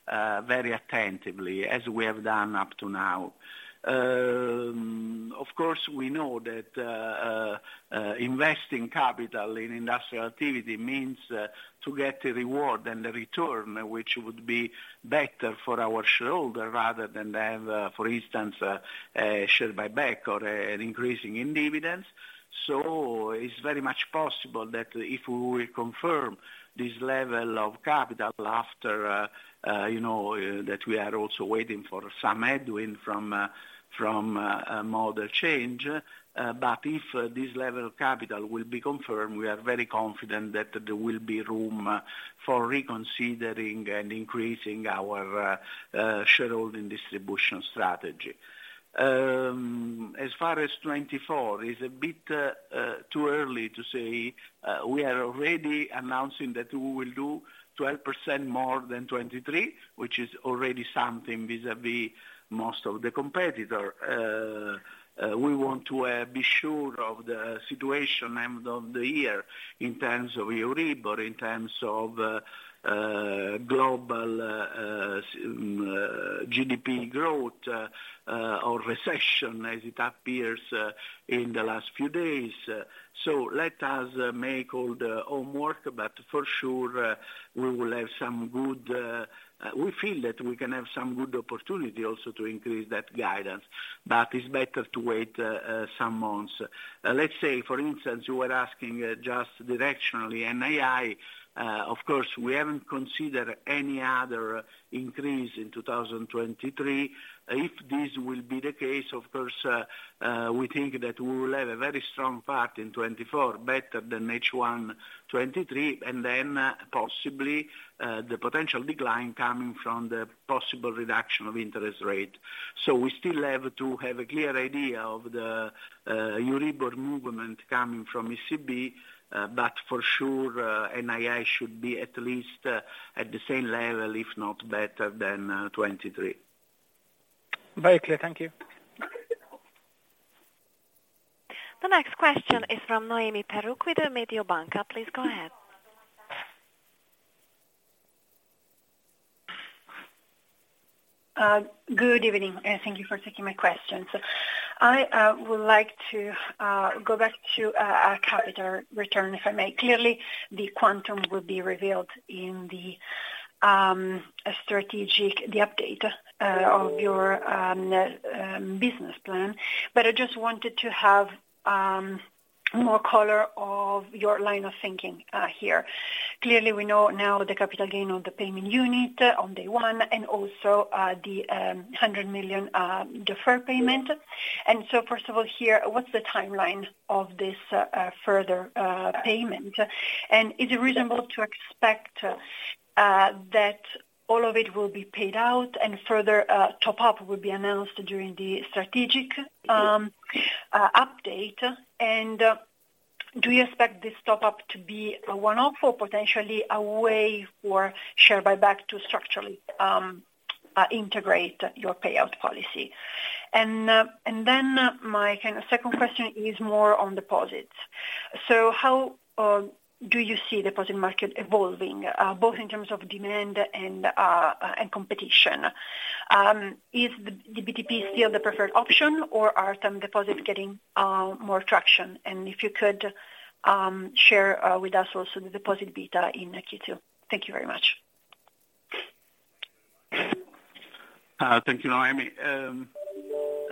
very attentively, as we have done up to now. Of course, we know that investing capital in industrial activity means to get a reward and a return, which would be better for our shareholder, rather than have, for instance, a share buyback or an increasing in dividends. It's very much possible that if we will confirm this level of capital after, you know, that we are also waiting for some headwind from a model change. If this level of capital will be confirmed, we are very confident that there will be room for reconsidering and increasing our shareholding distribution strategy. As far as 2024, it's a bit too early to say. We are already announcing that we will do 12% more than 2023, which is already something vis-à-vis most of the competitor. We want to be sure of the situation end of the year in terms of EURIBOR, in terms of global GDP growth, or recession as it appears, in the last few days. Let us make all the homework, but for sure, we will have some good, we feel that we can have some good opportunity also to increase that guidance, but it's better to wait some months. Let's say, for instance, you were asking just directionally, NII, of course, we haven't considered any other increase in 2023. If this will be the case, of course, we think that we will have a very strong part in 2024, better than H1 2023, and then possibly the potential decline coming from the possible reduction of interest rate. We still have to have a clear idea of the EURIBOR movement coming from ECB, but for sure, NII should be at least at the same level, if not better than 2023. Very clear. Thank you. The next question is from Noemi Perrucco with Mediobanca. Please, go ahead. Good evening, and thank you for taking my question. I would like to go back to our capital return, if I may. Clearly, the quantum will be revealed in the strategic, the update, of your business plan. I just wanted to have more color of your line of thinking here. Clearly, we know now the capital gain of the payment unit on day one, also the 100 million deferred payment. First of all, here, what's the timeline of this further payment? Is it reasonable to expect that all of it will be paid out and further top up will be announced during the strategic update? Do you expect this top up to be a one-off or potentially a way for share buyback to structurally integrate your payout policy? Then my kind of second question is more on deposits. How do you see deposit market evolving, both in terms of demand and competition? Is the BDP still the preferred option or are term deposits getting more traction? If you could share with us also the deposit beta in Q2. Thank you very much. Thank you, Noemi.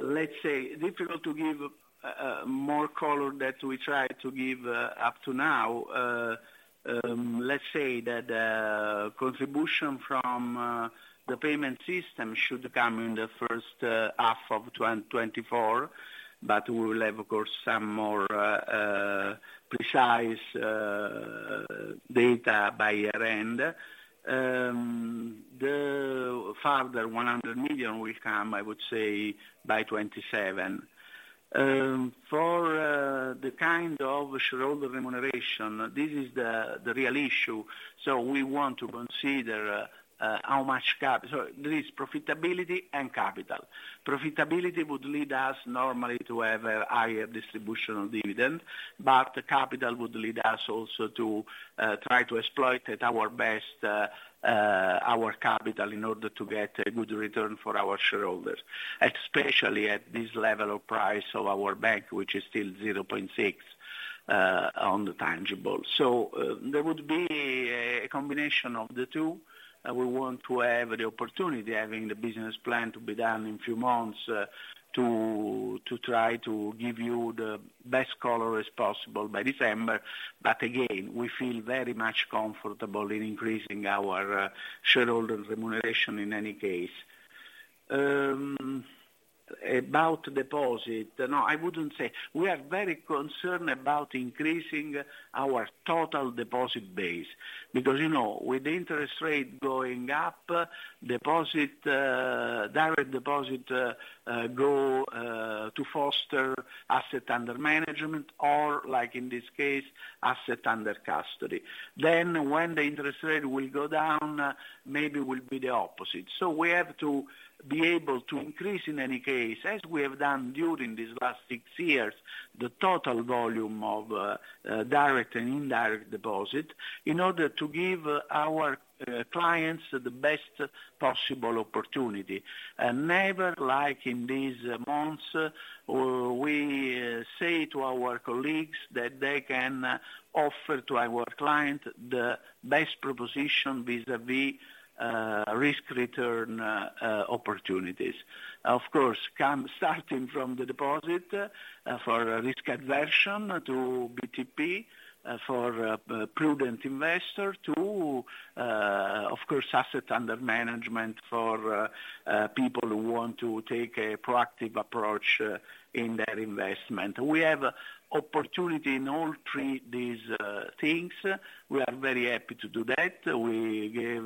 Let's say, difficult to give more color that we try to give up to now. Let's say that contribution from the payment system should come in the first half of 2024, but we will have, of course, some more precise data by year-end. The further 100 million will come, I would say, by 2027. For the kind of shareholder remuneration, this is the real issue. We want to consider. There is profitability and capital. Profitability would lead us normally to have a higher distribution of dividend. Capital would lead us also to, try to exploit at our best, our capital in order to get a good return for our shareholders, especially at this level of price of our bank, which is still 0.6, on the tangible. There would be a, a combination of the two. We want to have the opportunity, having the business plan to be done in a few months, to, to try to give you the best color as possible by December. Again, we feel very much comfortable in increasing our, shareholder remuneration in any case. About deposit, no, I wouldn't say... We are very concerned about increasing our total deposit base, because, you know, with interest rate going up, deposit, direct deposit, go to foster asset under management or like in this case, asset under custody. When the interest rate will go down, maybe will be the opposite. We have to be able to increase in any case, as we have done during these last six years, the total volume of direct and indirect deposit, in order to give our clients the best possible opportunity. Never, like in these months, we say to our colleagues that they can offer to our client the best proposition vis-à-vis, risk return, opportunities. Of course, come starting from the deposit for risk aversion to BTP, for a prudent investor, to, of course, assets under management for people who want to take a proactive approach in their investment. We have opportunity in all three these things. We are very happy to do that. We gave,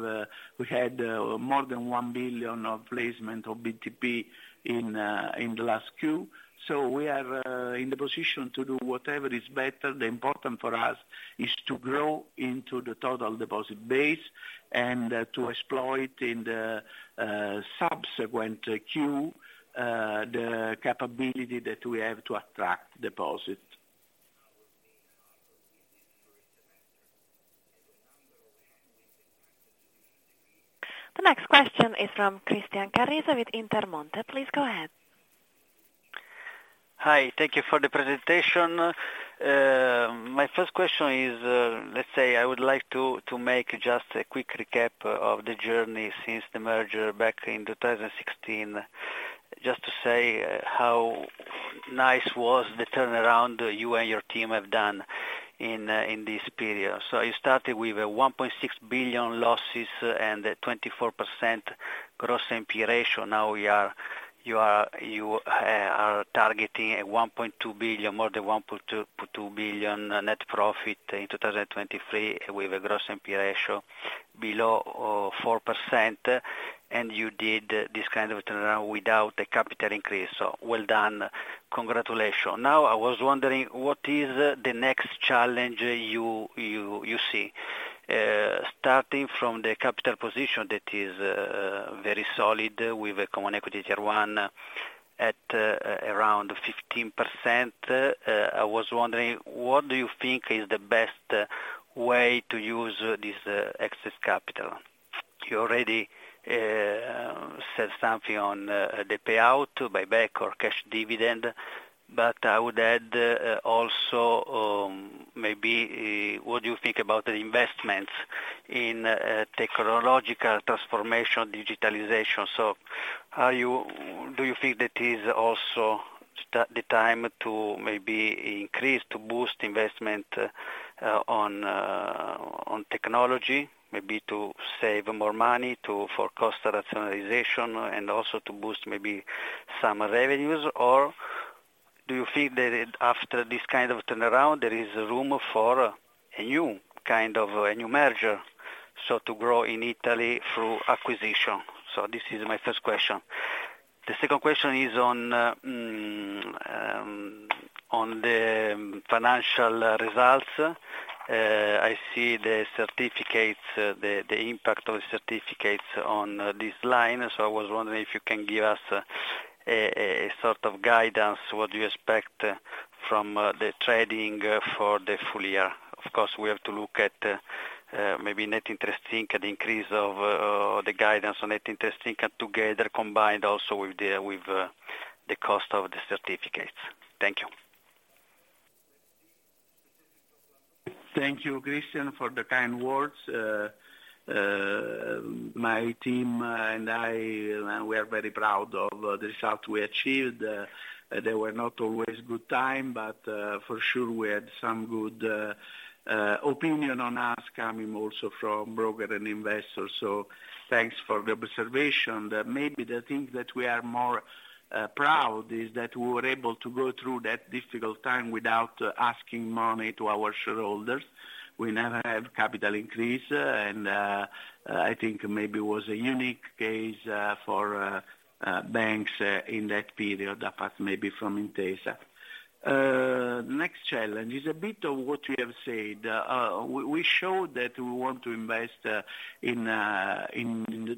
we had more than 1 billion of placement of BTP in the last Q. So we are in the position to do whatever is better. The important for us is to grow into the total deposit base and to exploit in the subsequent Q, the capability that we have to attract deposits. The next question is from Christian Carrese with Intermonte. Please go ahead. Hi, thank you for the presentation. My first question is I would like to make just a quick recap of the journey since the merger back in 2016. Just to say how nice was the turnaround you and your team have done in this period. You started with a 1.6 billion losses and a 24% gross NPE ratio. Now we are, you are, you are targeting a 1.2 billion, more than 1.2 billion net profit in 2023, with a gross NPE ratio below 4%, and you did this kind of turnaround without a capital increase. Well done. Congratulations. Now, I was wondering, what is the next challenge you, you, you see? Starting from the capital position that is very solid, with a Common Equity Tier 1 at around 15%. I was wondering, what do you think is the best way to use this excess capital? You already said something on the payout, buyback or cash dividend, but I would add also maybe what do you think about the investments in technological transformation, digitalization? Do you think that is also the time to maybe increase, to boost investment on technology, maybe to save more money, for cost rationalization and also to boost maybe some revenues? Do you think that after this kind of turnaround, there is room for a new kind of, a new merger, to grow in Italy through acquisition? This is my first question. The second question is on the financial results. I see the certificates, the impact of the certificates on this line. I was wondering if you can give us a sort of guidance, what you expect from the trading for the full year. Of course, we have to look at maybe Net Interest Income, the increase of the guidance on Net Interest Income, together, combined also with the cost of the certificates. Thank you. Thank you, Christian, for the kind words. My team and I, we are very proud of the result we achieved. They were not always good time, but for sure, we had some good opinion on us coming also from broker and investors. Thanks for the observation. That maybe the thing that we are more proud is that we were able to go through that difficult time without asking money to our shareholders. We never had capital increase. I think maybe it was a unique case for banks in that period, apart maybe from Intesa. Next challenge is a bit of what you have said. We showed that we want to invest in the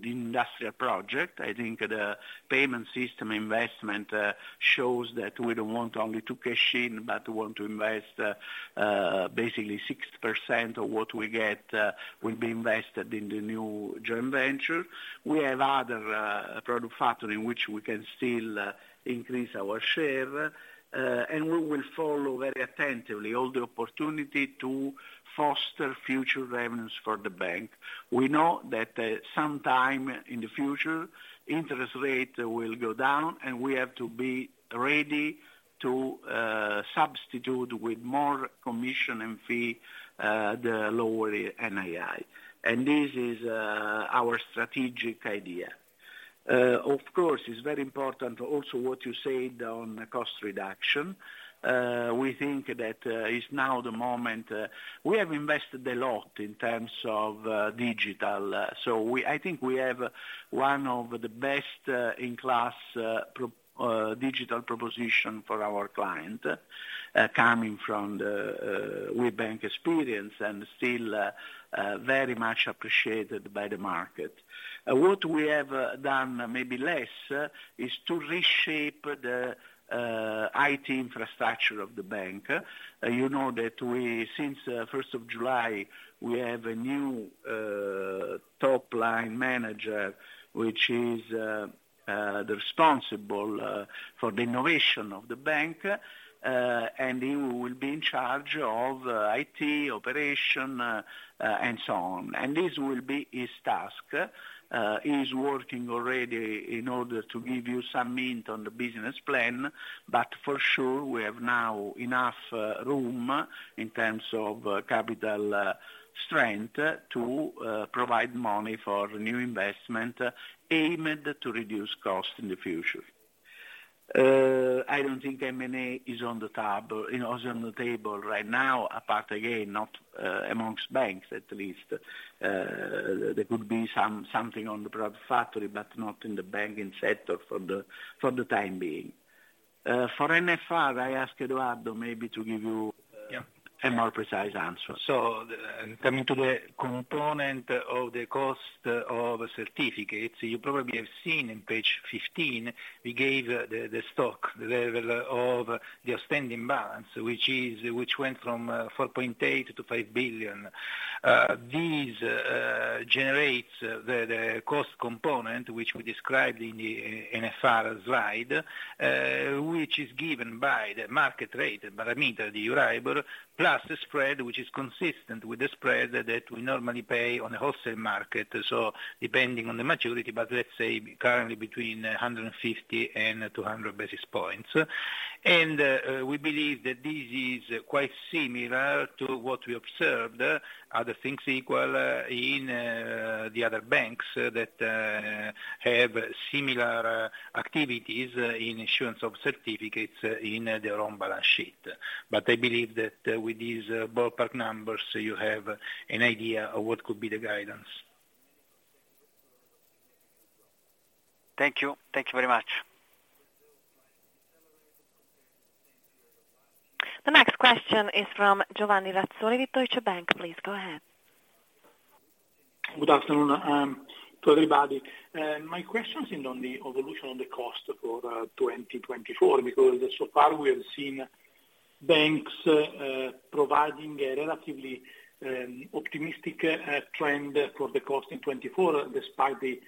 industrial project. I think the payment system investment, shows that we don't want only to cash in, but we want to invest, basically 60% of what we get, will be invested in the new joint venture. We have other, product factory in which we can still, increase our share, and we will follow very attentively all the opportunity to foster future revenues for the bank. We know that, sometime in the future, interest rate will go down, and we have to be ready to, substitute with more commission and fee, the lower NII. This is, our strategic idea. Of course, it's very important also what you said on cost reduction. We think that, is now the moment. We have invested a lot in terms of, digital. We I think we have one of the best-in-class pro digital proposition for our client. coming from the we bank experience and still very much appreciated by the market. What we have done maybe less, is to reshape the IT infrastructure of the bank. You know, that we since first of July, we have a new top line manager, which is the responsible for the innovation of the bank, and he will be in charge of IT, operation, and so on. This will be his task. He is working already in order to give you some hint on the business plan, but for sure, we have now enough room in terms of capital strength to provide money for new investment, aimed to reduce costs in the future. I don't think M&A is on the top, you know, is on the table right now, apart, again, not amongst banks, at least. There could be something on the product factory, but not in the banking sector for the time being. For NFR, I ask Edoardo, maybe to give you-. Yeah a more precise answer. Coming to the component of the cost of certificates, you probably have seen in page 15, we gave the, the stock, the level of the outstanding balance, which is, which went from 4.8 billion-5 billion. These generates the, the cost component, which we described in the NFR slide, which is given by the market rate, parameter, the EURIBOR, plus the spread, which is consistent with the spread that we normally pay on the wholesale market. Depending on the maturity, but let's say currently between 150 and 200 basis points. We believe that this is quite similar to what we observed, other things equal, in the other banks that have similar activities in assurance of certificates in their own balance sheet. I believe that with these ballpark numbers, you have an idea of what could be the guidance. Thank you. Thank you very much. The next question is from Giovanni Lazzoni, Deutsche Bank. Please, go ahead. Good afternoon, to everybody. My question is on the evolution on the cost for 2024, because so far we have seen banks providing a relatively optimistic trend for the cost in 2024, despite the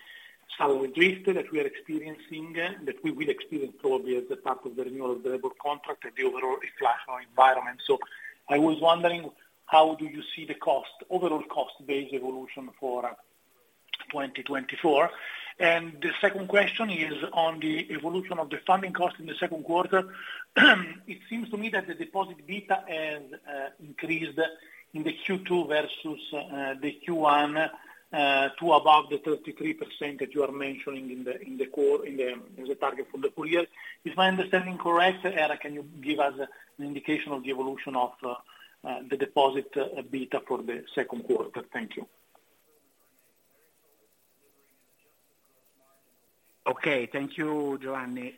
salary drift that we are experiencing, that we will experience probably as the part of the renewal of the labor contract and the overall inflationary environment. I was wondering, how do you see the cost, overall cost base evolution for 2024? The second question is on the evolution of the funding cost in the Q2. It seems to me that the deposit beta has increased in the Q2 versus the Q1, to above the 33% that you are mentioning in the, in the core, in the, as a target for the full year. Is my understanding correct? Era, can you give us an indication of the evolution of the deposit beta for the second quarter? Thank you. Okay, thank you, Giovanni.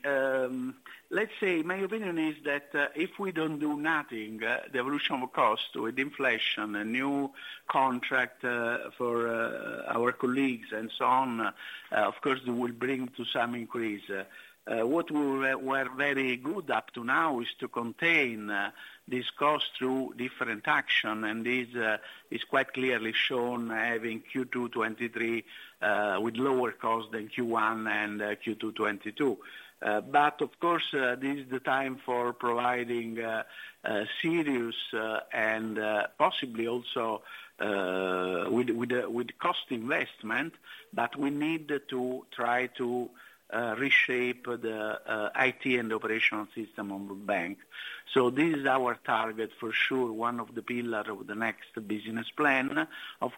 Let's say my opinion is that if we don't do nothing, the evolution of cost with inflation, a new contract, for our colleagues and so on, of course, will bring to some increase. What we were very good up to now is to contain this cost through different action, and this is quite clearly shown having Q2 2023, with lower cost than Q1 and Q2 2022. Of course, this is the time for providing serious and possibly also with, with, with cost investment, but we need to try to reshape the IT and operational system on the bank. This is our target for sure, one of the pillar of the next business plan.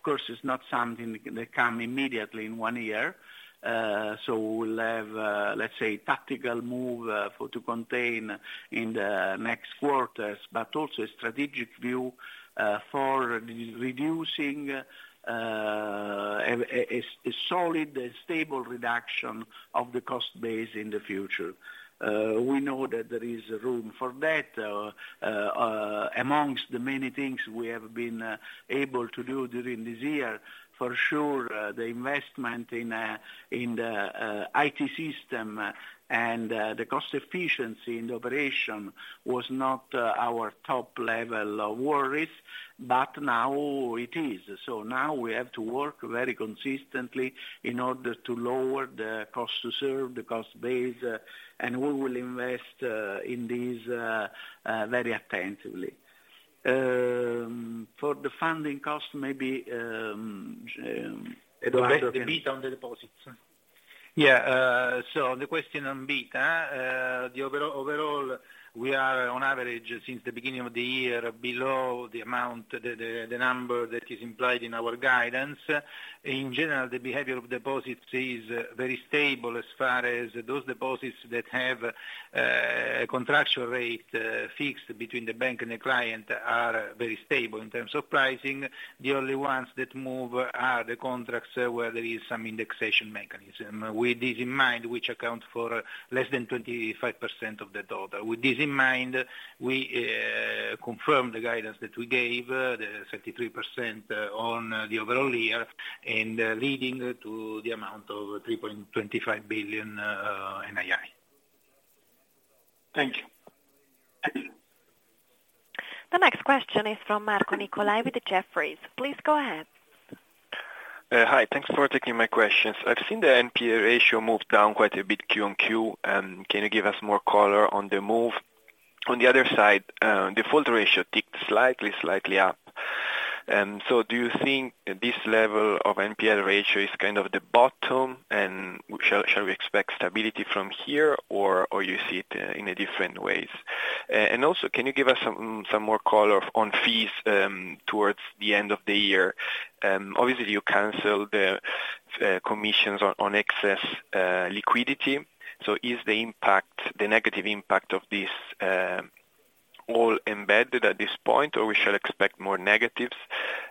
It's not something that come immediately in one year. We'll have, let's say, tactical move, for to contain in the next quarters, but also a strategic view, for re-reducing a solid and stable reduction of the cost base in the future. We know that there is room for that, amongst the many things we have been able to do during this year. For sure, the investment in the IT system and the cost efficiency in the operation was not our top level worries, but now it is. Now we have to work very consistently in order to lower the cost to serve, the cost base, and we will invest in these very attentively. For the funding cost, maybe, Edoardo can- The beat on the deposits. Yeah, the question on beta, the overall, overall, we are on average, since the beginning of the year, below the amount, the, the, the number that is implied in our guidance. In general, the behavior of deposits is very stable as far as those deposits that have a contractual rate fixed between the bank and the client are very stable in terms of pricing. The only ones that move are the contracts where there is some indexation mechanism. With this in mind, which account for less than 25% of the total. With this in mind, we confirm the guidance that we gave, the 33%, on the overall year and leading to the amount of 3.25 billion NII. Thank you. The next question is from Marco Nicolai with Jefferies. Please go ahead. Hi. Thanks for taking my questions. I've seen the NPL ratio move down quite a bit Q-on-Q. Can you give us more color on the move? On the other side, default ratio ticked slightly up. Do you think this level of NPL ratio is kind of the bottom, and shall we expect stability from here, or you see it in a different ways? And also, can you give us some more color on fees towards the end of the year? Obviously, you canceled the commissions on excess liquidity. Is the impact, the negative impact of this, all embedded at this point, or we shall expect more negatives,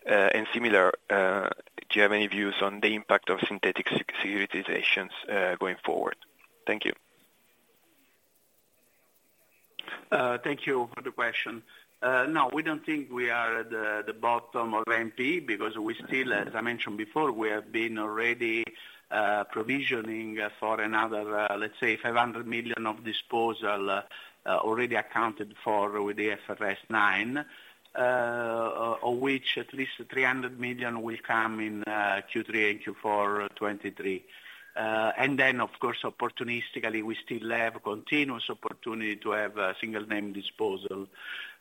and similar, do you have any views on the impact of synthetic securitizations going forward? Thank you. Thank you for the question. No, we don't think we are at the bottom of NPE, because we still, as I mentioned before, we have been already provisioning for another, let's say, 500 million of disposal, already accounted for with the IFRS 9, of which at least 300 million will come in Q3 and Q4 2023. Then, of course, opportunistically, we still have continuous opportunity to have a single name disposal.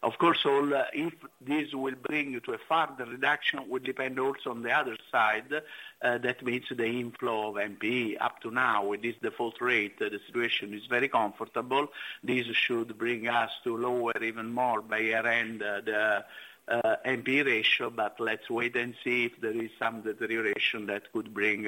Of course, all, if this will bring to a further reduction, will depend also on the other side. That means the inflow of NPE. Up to now, with this default rate, the situation is very comfortable. This should bring us to lower even more by year-end, the NPE ratio, but let's wait and see if there is some deterioration that could bring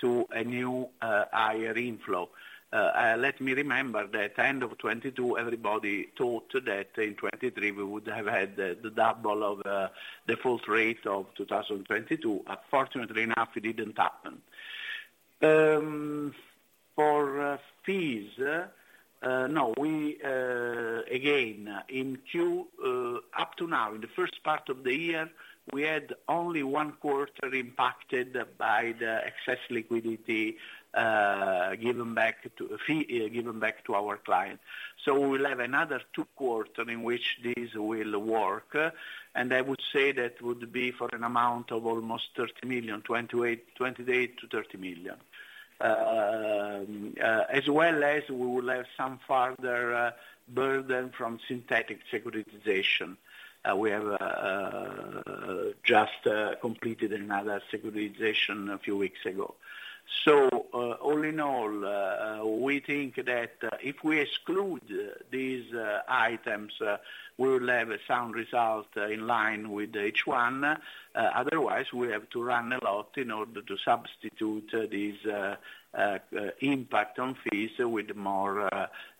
to a new higher inflow. Let me remember that end of 22, everybody thought that in 23 we would have had the double of default rate of 2022. Fortunately enough, it didn't happen. For fees, no, we again, in Q, up to now, in the first part of the year, we had only 1 quarter impacted by the excess liquidity, given back to fee, given back to our clients. We will have another 2 quarters in which this will work, and I would say that would be for an amount of almost 30 million, 28 million-30 million. As well as we will have some further burden from synthetic securitization. We have just completed another securitization a few weeks ago. All in all, we think that if we exclude these items, we will have a sound result in line with H1. Otherwise, we have to run a lot in order to substitute this impact on fees with more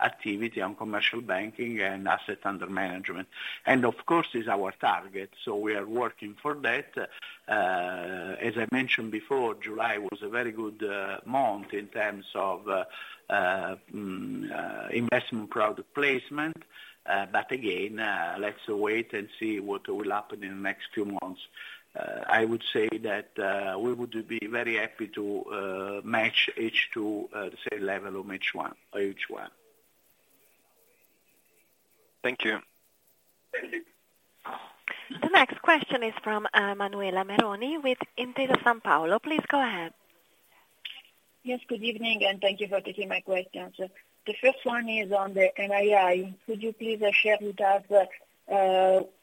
activity on commercial banking and asset under management. Of course, it's our target, so we are working for that. As I mentioned before, July was a very good month in terms of investment product placement. Again, let's wait and see what will happen in the next few months. I would say that we would be very happy to match H2, say, level of H1, H1. Thank you. Thank you. The next question is from Manuela Meroni, with Intesa Sanpaolo. Please go ahead. Yes, good evening, thank you for taking my questions. The first one is on the NII. Could you please share with us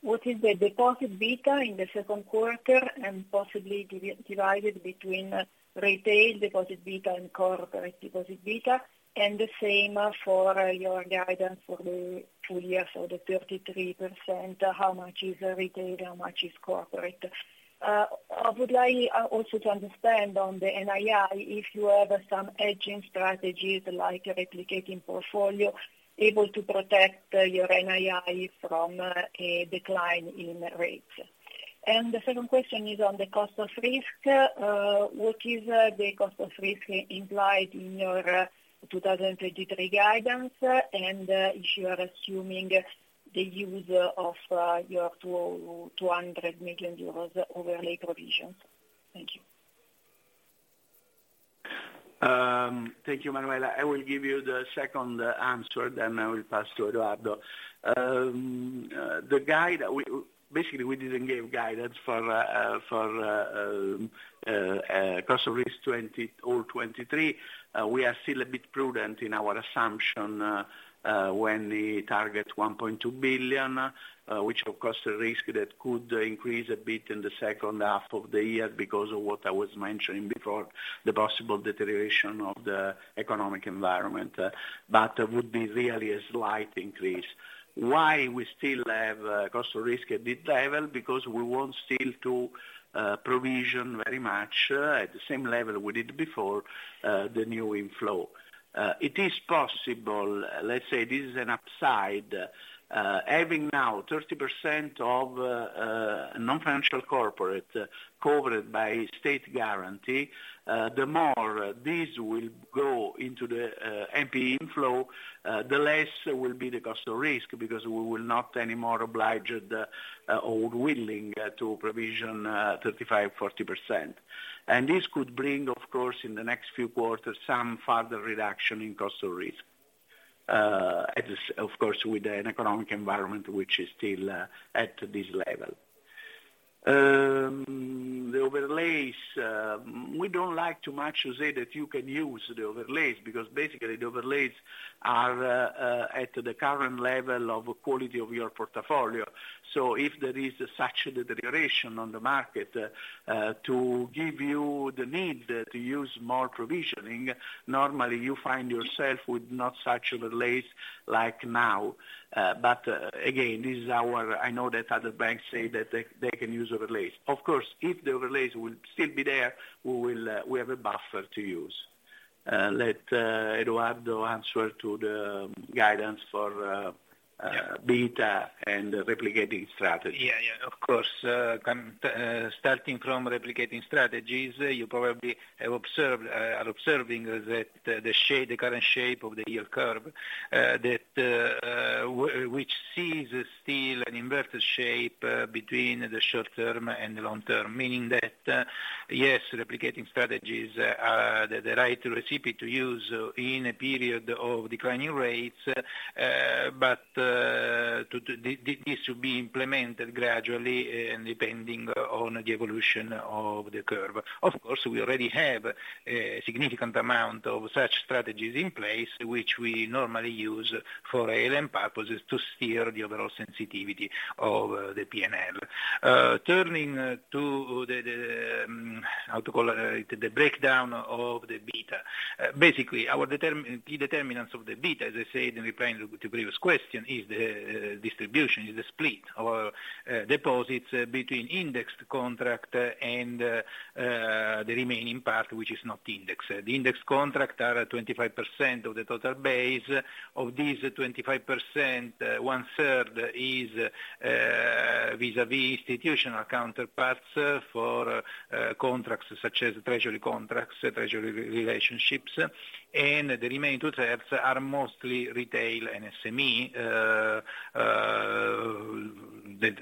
what is the deposit beta in the second quarter, and possibly divide it between retail deposit beta and corporate deposit beta, and the same for your guidance for the full year for the 33%, how much is retail, how much is corporate? I would like also to understand on the NII, if you have some hedging strategies like replicating portfolio, able to protect your NII from a decline in rates. The second question is on the cost of risk. What is the cost of risk implied in your 2023 guidance? If you are assuming the use of your 200 million euros overlay provision. Thank you. Thank you, Manuela. I will give you the second answer. I will pass to Eduardo. We didn't give guidance for cost of risk 2023. We are still a bit prudent in our assumption when we target 1.2 billion, which of course, the risk that could increase a bit in the second half of the year because of what I was mentioning before, the possible deterioration of the economic environment. Would be really a slight increase. Why we still have cost of risk at this level? Because we want still to provision very much at the same level we did before the new inflow. It is possible, let's say this is an upside, having now 30% of non-financial corporate covered by state guarantee, the more this will go into the NPE inflow, the less will be the Cost of Risk, because we will not anymore obliged, or willing, to provision 35%-40%. This could bring, of course, in the next few quarters, some further reduction in Cost of Risk. At this, of course, with an economic environment, which is still at this level. The overlays, we don't like to much say that you can use the overlays, because basically the overlays are at the current level of quality of your portfolio. If there is such a deterioration on the market, to give you the need to use more provisioning, normally you find yourself with not such overlays like now. Again, this is our, I know that other banks say that they, they can use overlays. Of course, if the overlays will still be there, we will, we have a buffer to use. Let Eduardo answer to the guidance for beta and replicating strategy. Yeah, yeah, of course. Starting from replicating strategies, you probably have observed, are observing that the shape, the current shape of the yield curve, that which sees still an inverted shape, between the short term and the long term. Meaning that, yes, replicating strategies are the, the right recipe to use in a period of declining rates, but this should be implemented gradually and depending on the evolution of the curve. Of course, we already have a significant amount of such strategies in place, which we normally use for ALM purposes to steer the overall sensitivity of the P&L. Turning to the, the, how to call it, the breakdown of the beta. Basically, our key determinants of the beta, as I said in replying to the previous question, is the distribution, is the split of deposits between indexed contract and the remaining part, which is not indexed. The indexed contract are at 25% of the total base. Of these 25%, one-third is vis-à-vis institutional counterparts for contracts such as treasury contracts, treasury relationships, and the remaining two-thirds are mostly retail and SME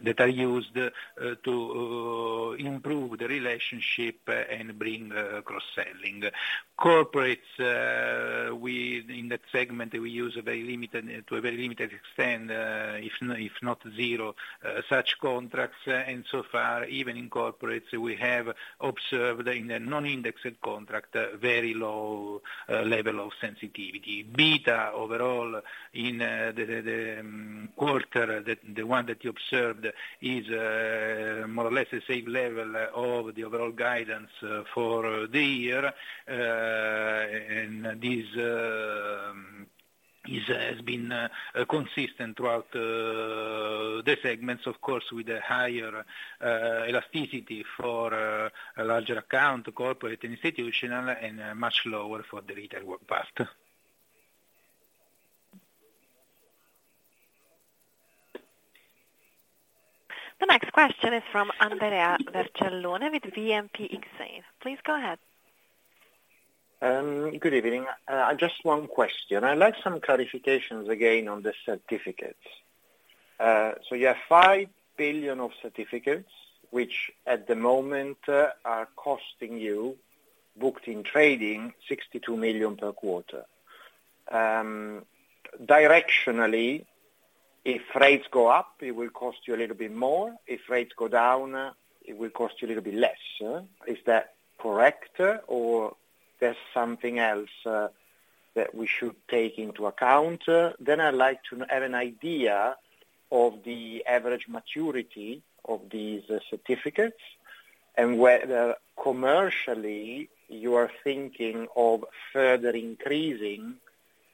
that are used to improve the relationship and bring cross-selling. Corporates, we, in that segment, we use a very limited, to a very limited extent, if not zero, such contracts, and so far, even in corporates, we have observed in a non-indexed contract, a very low level of sensitivity. Beta, overall, in, the, the, the quarter, the, the one that you observed, is more or less the same level of the overall guidance for the year. And this, is, has been, consistent throughout the segments, of course, with a higher elasticity for, a larger account, corporate and institutional, and much lower for the retail part. The next question is from Andrea Vercellone with BNP Exane. Please, go ahead. Good evening. Just one question. I'd like some clarifications again on the certificates. You have 5 billion of certificates, which at the moment, are costing you, booked in trading, 62 million per quarter. Directionally, if rates go up, it will cost you a little bit more. If rates go down, it will cost you a little bit less. Is that correct, or there's something else that we should take into account? I'd like to have an idea of the average maturity of these certificates, and whether commercially, you are thinking of further increasing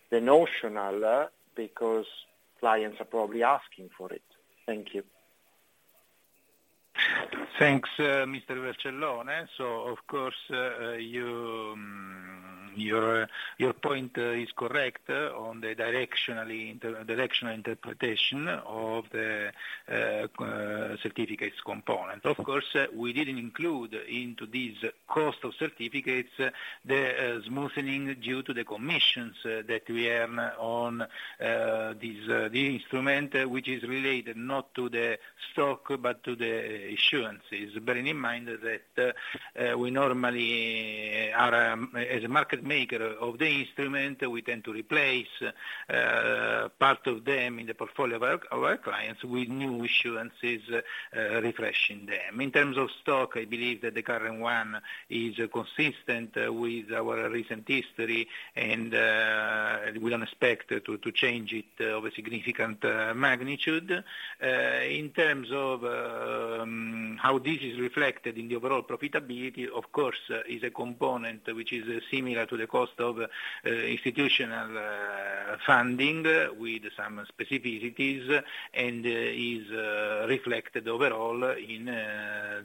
the notional, because clients are probably asking for it. Thank you. Thanks, Mr. Vercellone. Of course, you, your, your point is correct on the directionally, inter- directional interpretation of the certificates component. Of course, we didn't include into these cost of certificates, the smoothening due to the commissions that we earn on these, the instrument, which is related not to the stock, but to the issuances. Bearing in mind that we normally are as a market maker of the instrument, we tend to replace part of them in the portfolio of our, our clients with new issuances, refreshing them. In terms of stock, I believe that the current one is consistent with our recent history, and we don't expect to, to change it of a significant magnitude. this is reflected in the overall profitability, of course, is a component which is similar to the cost of institutional funding, with some specificities, and is reflected overall in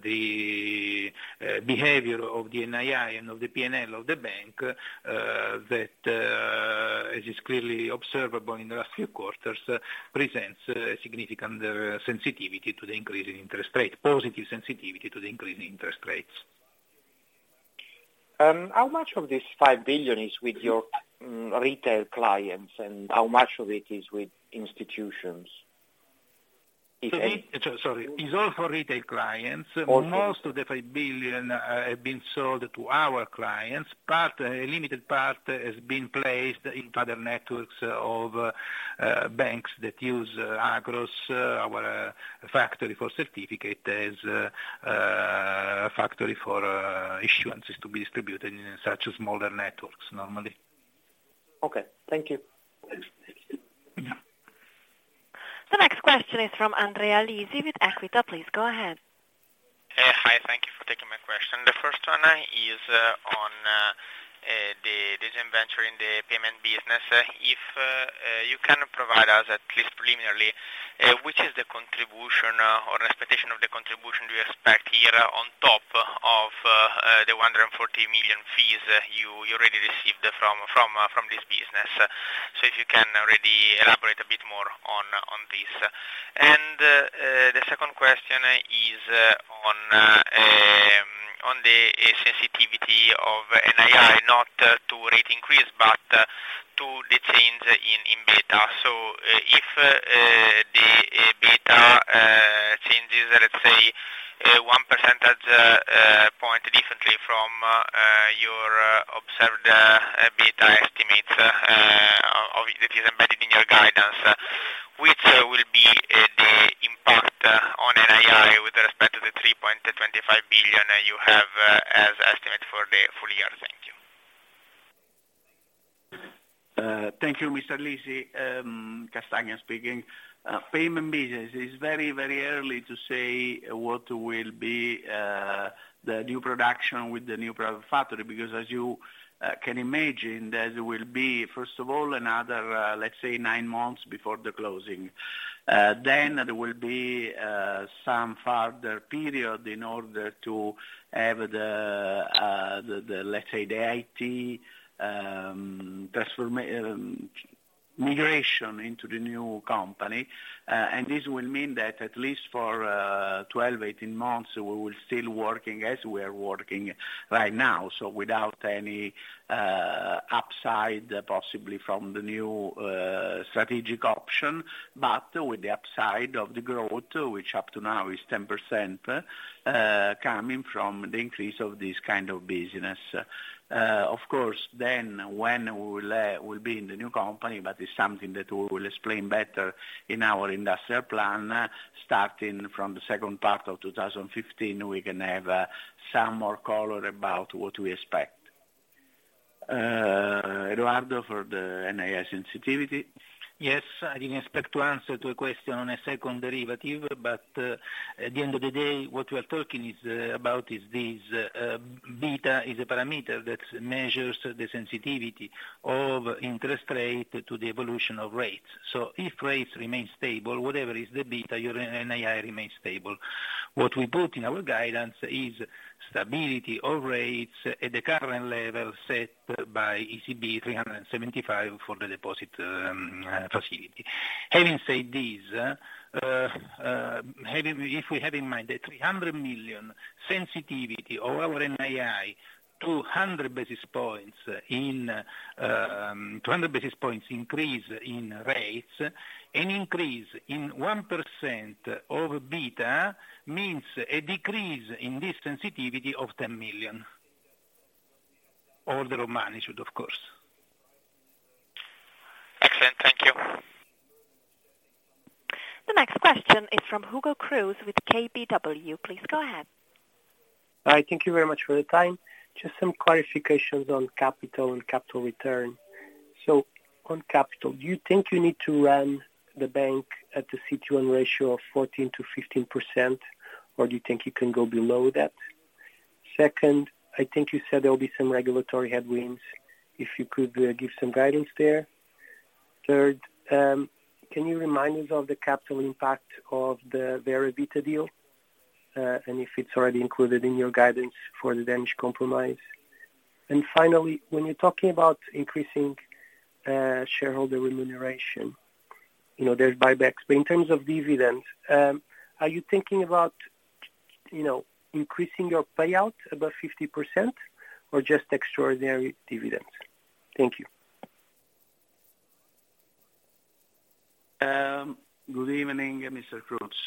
the behavior of the NII and of the P&L of the bank that, as is clearly observable in the last few quarters, presents a significant sensitivity to the increase in interest rate, positive sensitivity to the increase in interest rates. How much of this 5 billion is with your retail clients, and how much of it is with institutions? It, sorry, is all for retail clients. Most of the 5 billion have been sold to our clients, but a limited part has been placed in other networks of banks that use Agos, our factory for certificate, as a factory for issuances to be distributed in such smaller networks, normally. Okay. Thank you. Thanks. The next question is from Andrea Lisi with Equita. Please go ahead. Hi, thank you for taking my question. The first one is on this venture in the payments business. If you can provide us, at least preliminarily, which is the contribution or expectation of the contribution we expect here on top of the 140 million fees you already received from this business. If you can already elaborate a bit more on this? The second question is on the sensitivity of NII, not to rate increase, but to the change in beta. If, the, beta, changes, let's say, 1 percentage point differently from, your observed, beta estimates, of it is embedded in your guidance, which will be, the impact on NII with respect to the 3.25 billion you have, as estimate for the full year? Thank you. Thank you, Mr. Lisi, Castagna speaking. payments business is very, very early to say what will be the new production with the new product factory, because as you can imagine, there will be, first of all, another, let's say, nine months before the closing. There will be some further period in order to have the the the, let's say, the IT migration into the new company. This will mean that at least for 12, 18 months, we will still working as we are working right now. Without any upside, possibly from the new strategic option, but with the upside of the growth, which up to now is 10%, coming from the increase of this kind of business. Of course, then when we will be in the new company, but it's something that we will explain better in our industrial plan. Starting from the second part of 2015, we can have some more color about what we expect. Eduardo, for the NII sensitivity? Yes, I didn't expect to answer to a question on a second derivative. At the end of the day, what we are talking about is this beta is a parameter that measures the sensitivity of interest rate to the evolution of rates. If rates remain stable, whatever is the beta, your NII remains stable. What we put in our guidance is stability of rates at the current level set by ECB 375 for the deposit facility. Having said this, if we have in mind that 300 million sensitivity of our NII, 200 basis points in, 200 basis points increase in rates, an increase in 1% of beta means a decrease in this sensitivity of 10 million. Order of management, of course. Excellent. Thank you. The next question is from Hugo Cruz with KBW. Please go ahead. Hi, thank you very much for the time. Just some clarifications on capital and capital return. On capital, do you think you need to run the bank at the CET1 ratio of 14%-15%, or do you think you can go below that? Second, I think you said there will be some regulatory headwinds, if you could give some guidance there. Third, can you remind us of the capital impact of the Vera Vita deal, and if it's already included in your guidance for the Danish Compromise? Finally, when you're talking about increasing shareholder remuneration, you know, there's buybacks, but in terms of dividends, are you thinking about, you know, increasing your payout above 50% or just extraordinary dividends? Thank you. Good evening, Mr. Cruz.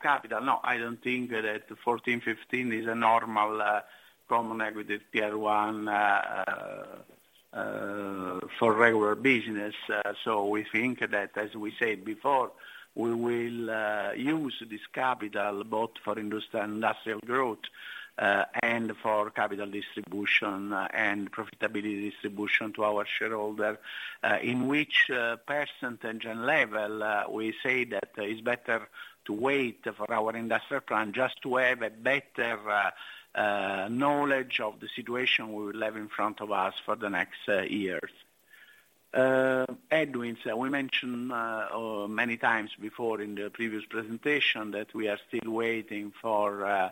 Capital, no, I don't think that 14, 15 is a normal Common Equity Tier 1 for regular business. We think that, as we said before, we will use this capital both for industrial, industrial growth, and for capital distribution and profitability distribution to our shareholder, in which percentage and level, we say that it's better to wait for our industrial plan just to have a better knowledge of the situation we will have in front of us for the next years. Headwinds, we mentioned many times before in the previous presentation, that we are still waiting for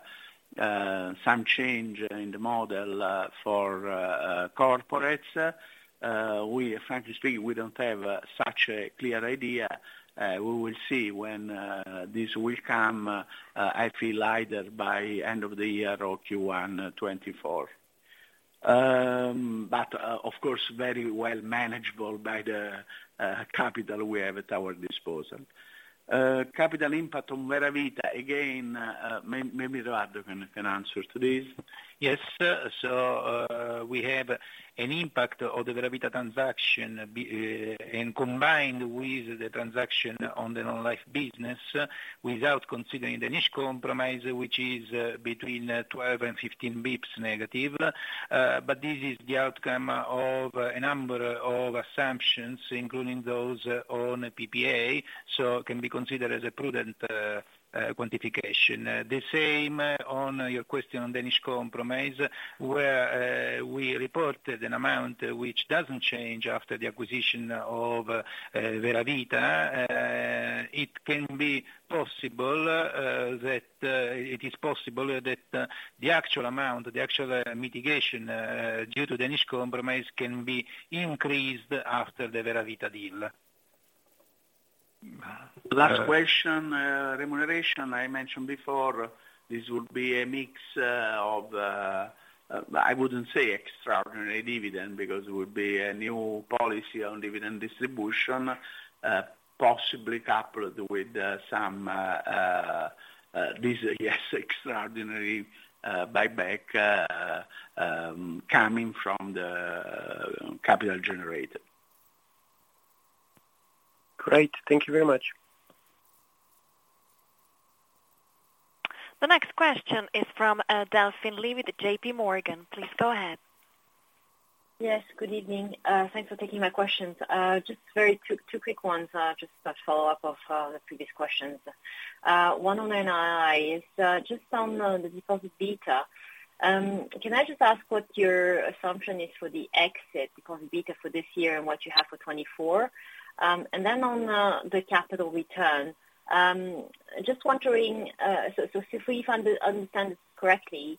some change in the model for corporates. We frankly speaking, we don't have such a clear idea. We will see when this will come, I feel either by end of the year or Q1 2024. Of course, very well manageable by the capital we have at our disposal. Capital impact on Vera Vita, again, maybe, maybe Gerardo can, can answer to this. Yes, sir. We have an impact of the Vera Vita transaction and combined with the transaction on the non-life business, without considering the Danish Compromise, which is between 12 and 15 basis points negative. This is the outcome of a number of assumptions, including those on PPA, so can be considered as a prudent quantification. The same on your question on Danish Compromise, where, we reported an amount which doesn't change after the acquisition of, Vera Vita. It can be possible, that, it is possible that, the actual amount, the actual mitigation, due to Danish Compromise can be increased after the Vera Vita deal. Last question. Remuneration. I mentioned before, this would be a mix of I wouldn't say extraordinary dividend, because it would be a new policy on dividend distribution, possibly coupled with some, this, yes, extraordinary, buyback, coming from the capital generated. Great. Thank you very much. The next question is from, Delphine Lee with J.P. Morgan. Please go ahead. Yes, good evening. Thanks for taking my questions. Just very quick, 2 quick ones, just a follow-up of the previous questions. One on II, is just on the deposit beta. Can I just ask what your assumption is for the exit, because beta for this year and what you have for 2024? And then on the capital return, just wondering, so if we understand this correctly,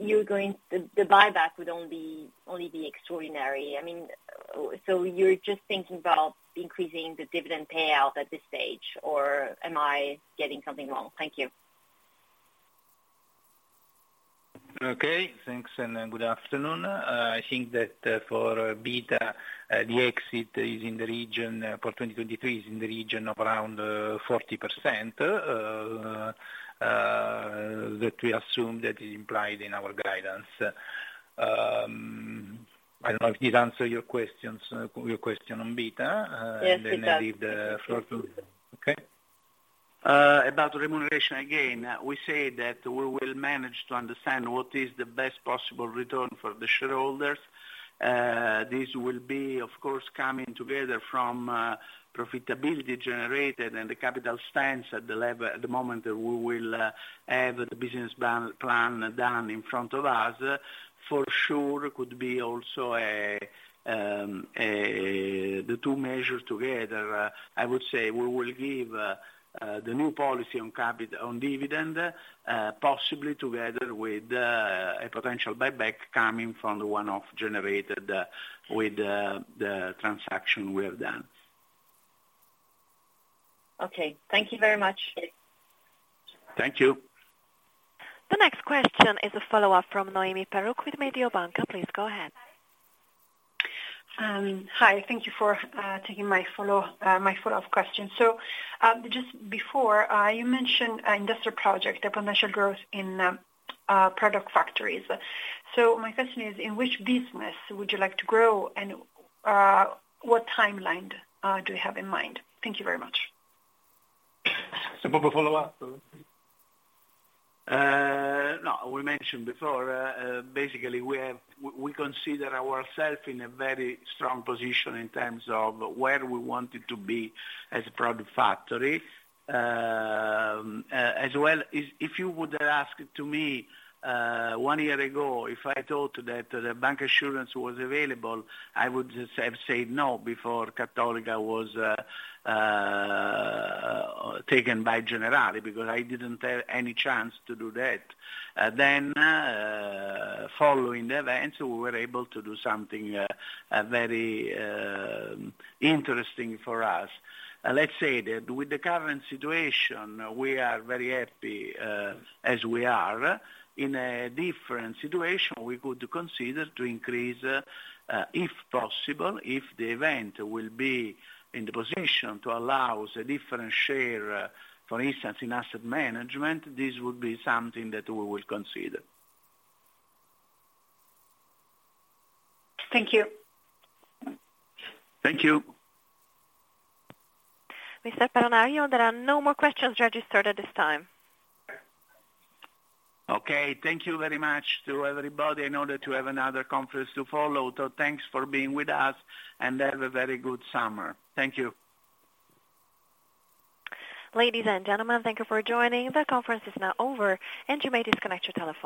you're going. The buyback would only be extraordinary. I mean, so you're just thinking about increasing the dividend payout at this stage, or am I getting something wrong? Thank you. Okay. Thanks, and good afternoon. I think that for beta, the exit is in the region for 2023 is in the region of around 40% that we assume that is implied in our guidance. I don't know if this answer your questions, your question on beta. Yes, it does. I leave the floor to... Okay. About remuneration, again, we say that we will manage to understand what is the best possible return for the shareholders. This will be, of course, coming together from profitability generated and the capital stance at the level, at the moment, we will have the business plan, plan done in front of us. For sure, could be also a, the two measures together, I would say we will give the new policy on capital, on dividend, possibly together with a potential buyback coming from the one-off generated with the transaction we have done. Okay. Thank you very much. Thank you. The next question is a follow-up from Noemi Perrucco with Mediobanca. Please go ahead. Hi, thank you for taking my follow-up question. Just before, you mentioned an industrial project, the potential growth in product factories. My question is, in which business would you like to grow, and what timeline do you have in mind? Thank you very much. Simple follow-up? No, we mentioned before, basically, we have, we, we consider ourself in a very strong position in terms of where we wanted to be as product factory. As well, if, if you would ask to me, one year ago, if I thought that the bancassurance was available, I would just have said no, before Cattolica was taken by Generali, because I didn't have any chance to do that. Then, following the events, we were able to do something, a very interesting for us. Let's say that with the current situation, we are very happy, as we are. In a different situation, we could consider to increase, if possible, if the event will be in the position to allow us a different share, for instance, in asset management, this would be something that we will consider. Thank you. Thank you. Mr. Peronaglio, there are no more questions registered at this time. Okay. Thank you very much to everybody in order to have another conference to follow. Thanks for being with us, and have a very good summer. Thank you. Ladies and gentlemen, thank you for joining. The conference is now over, and you may disconnect your telephones.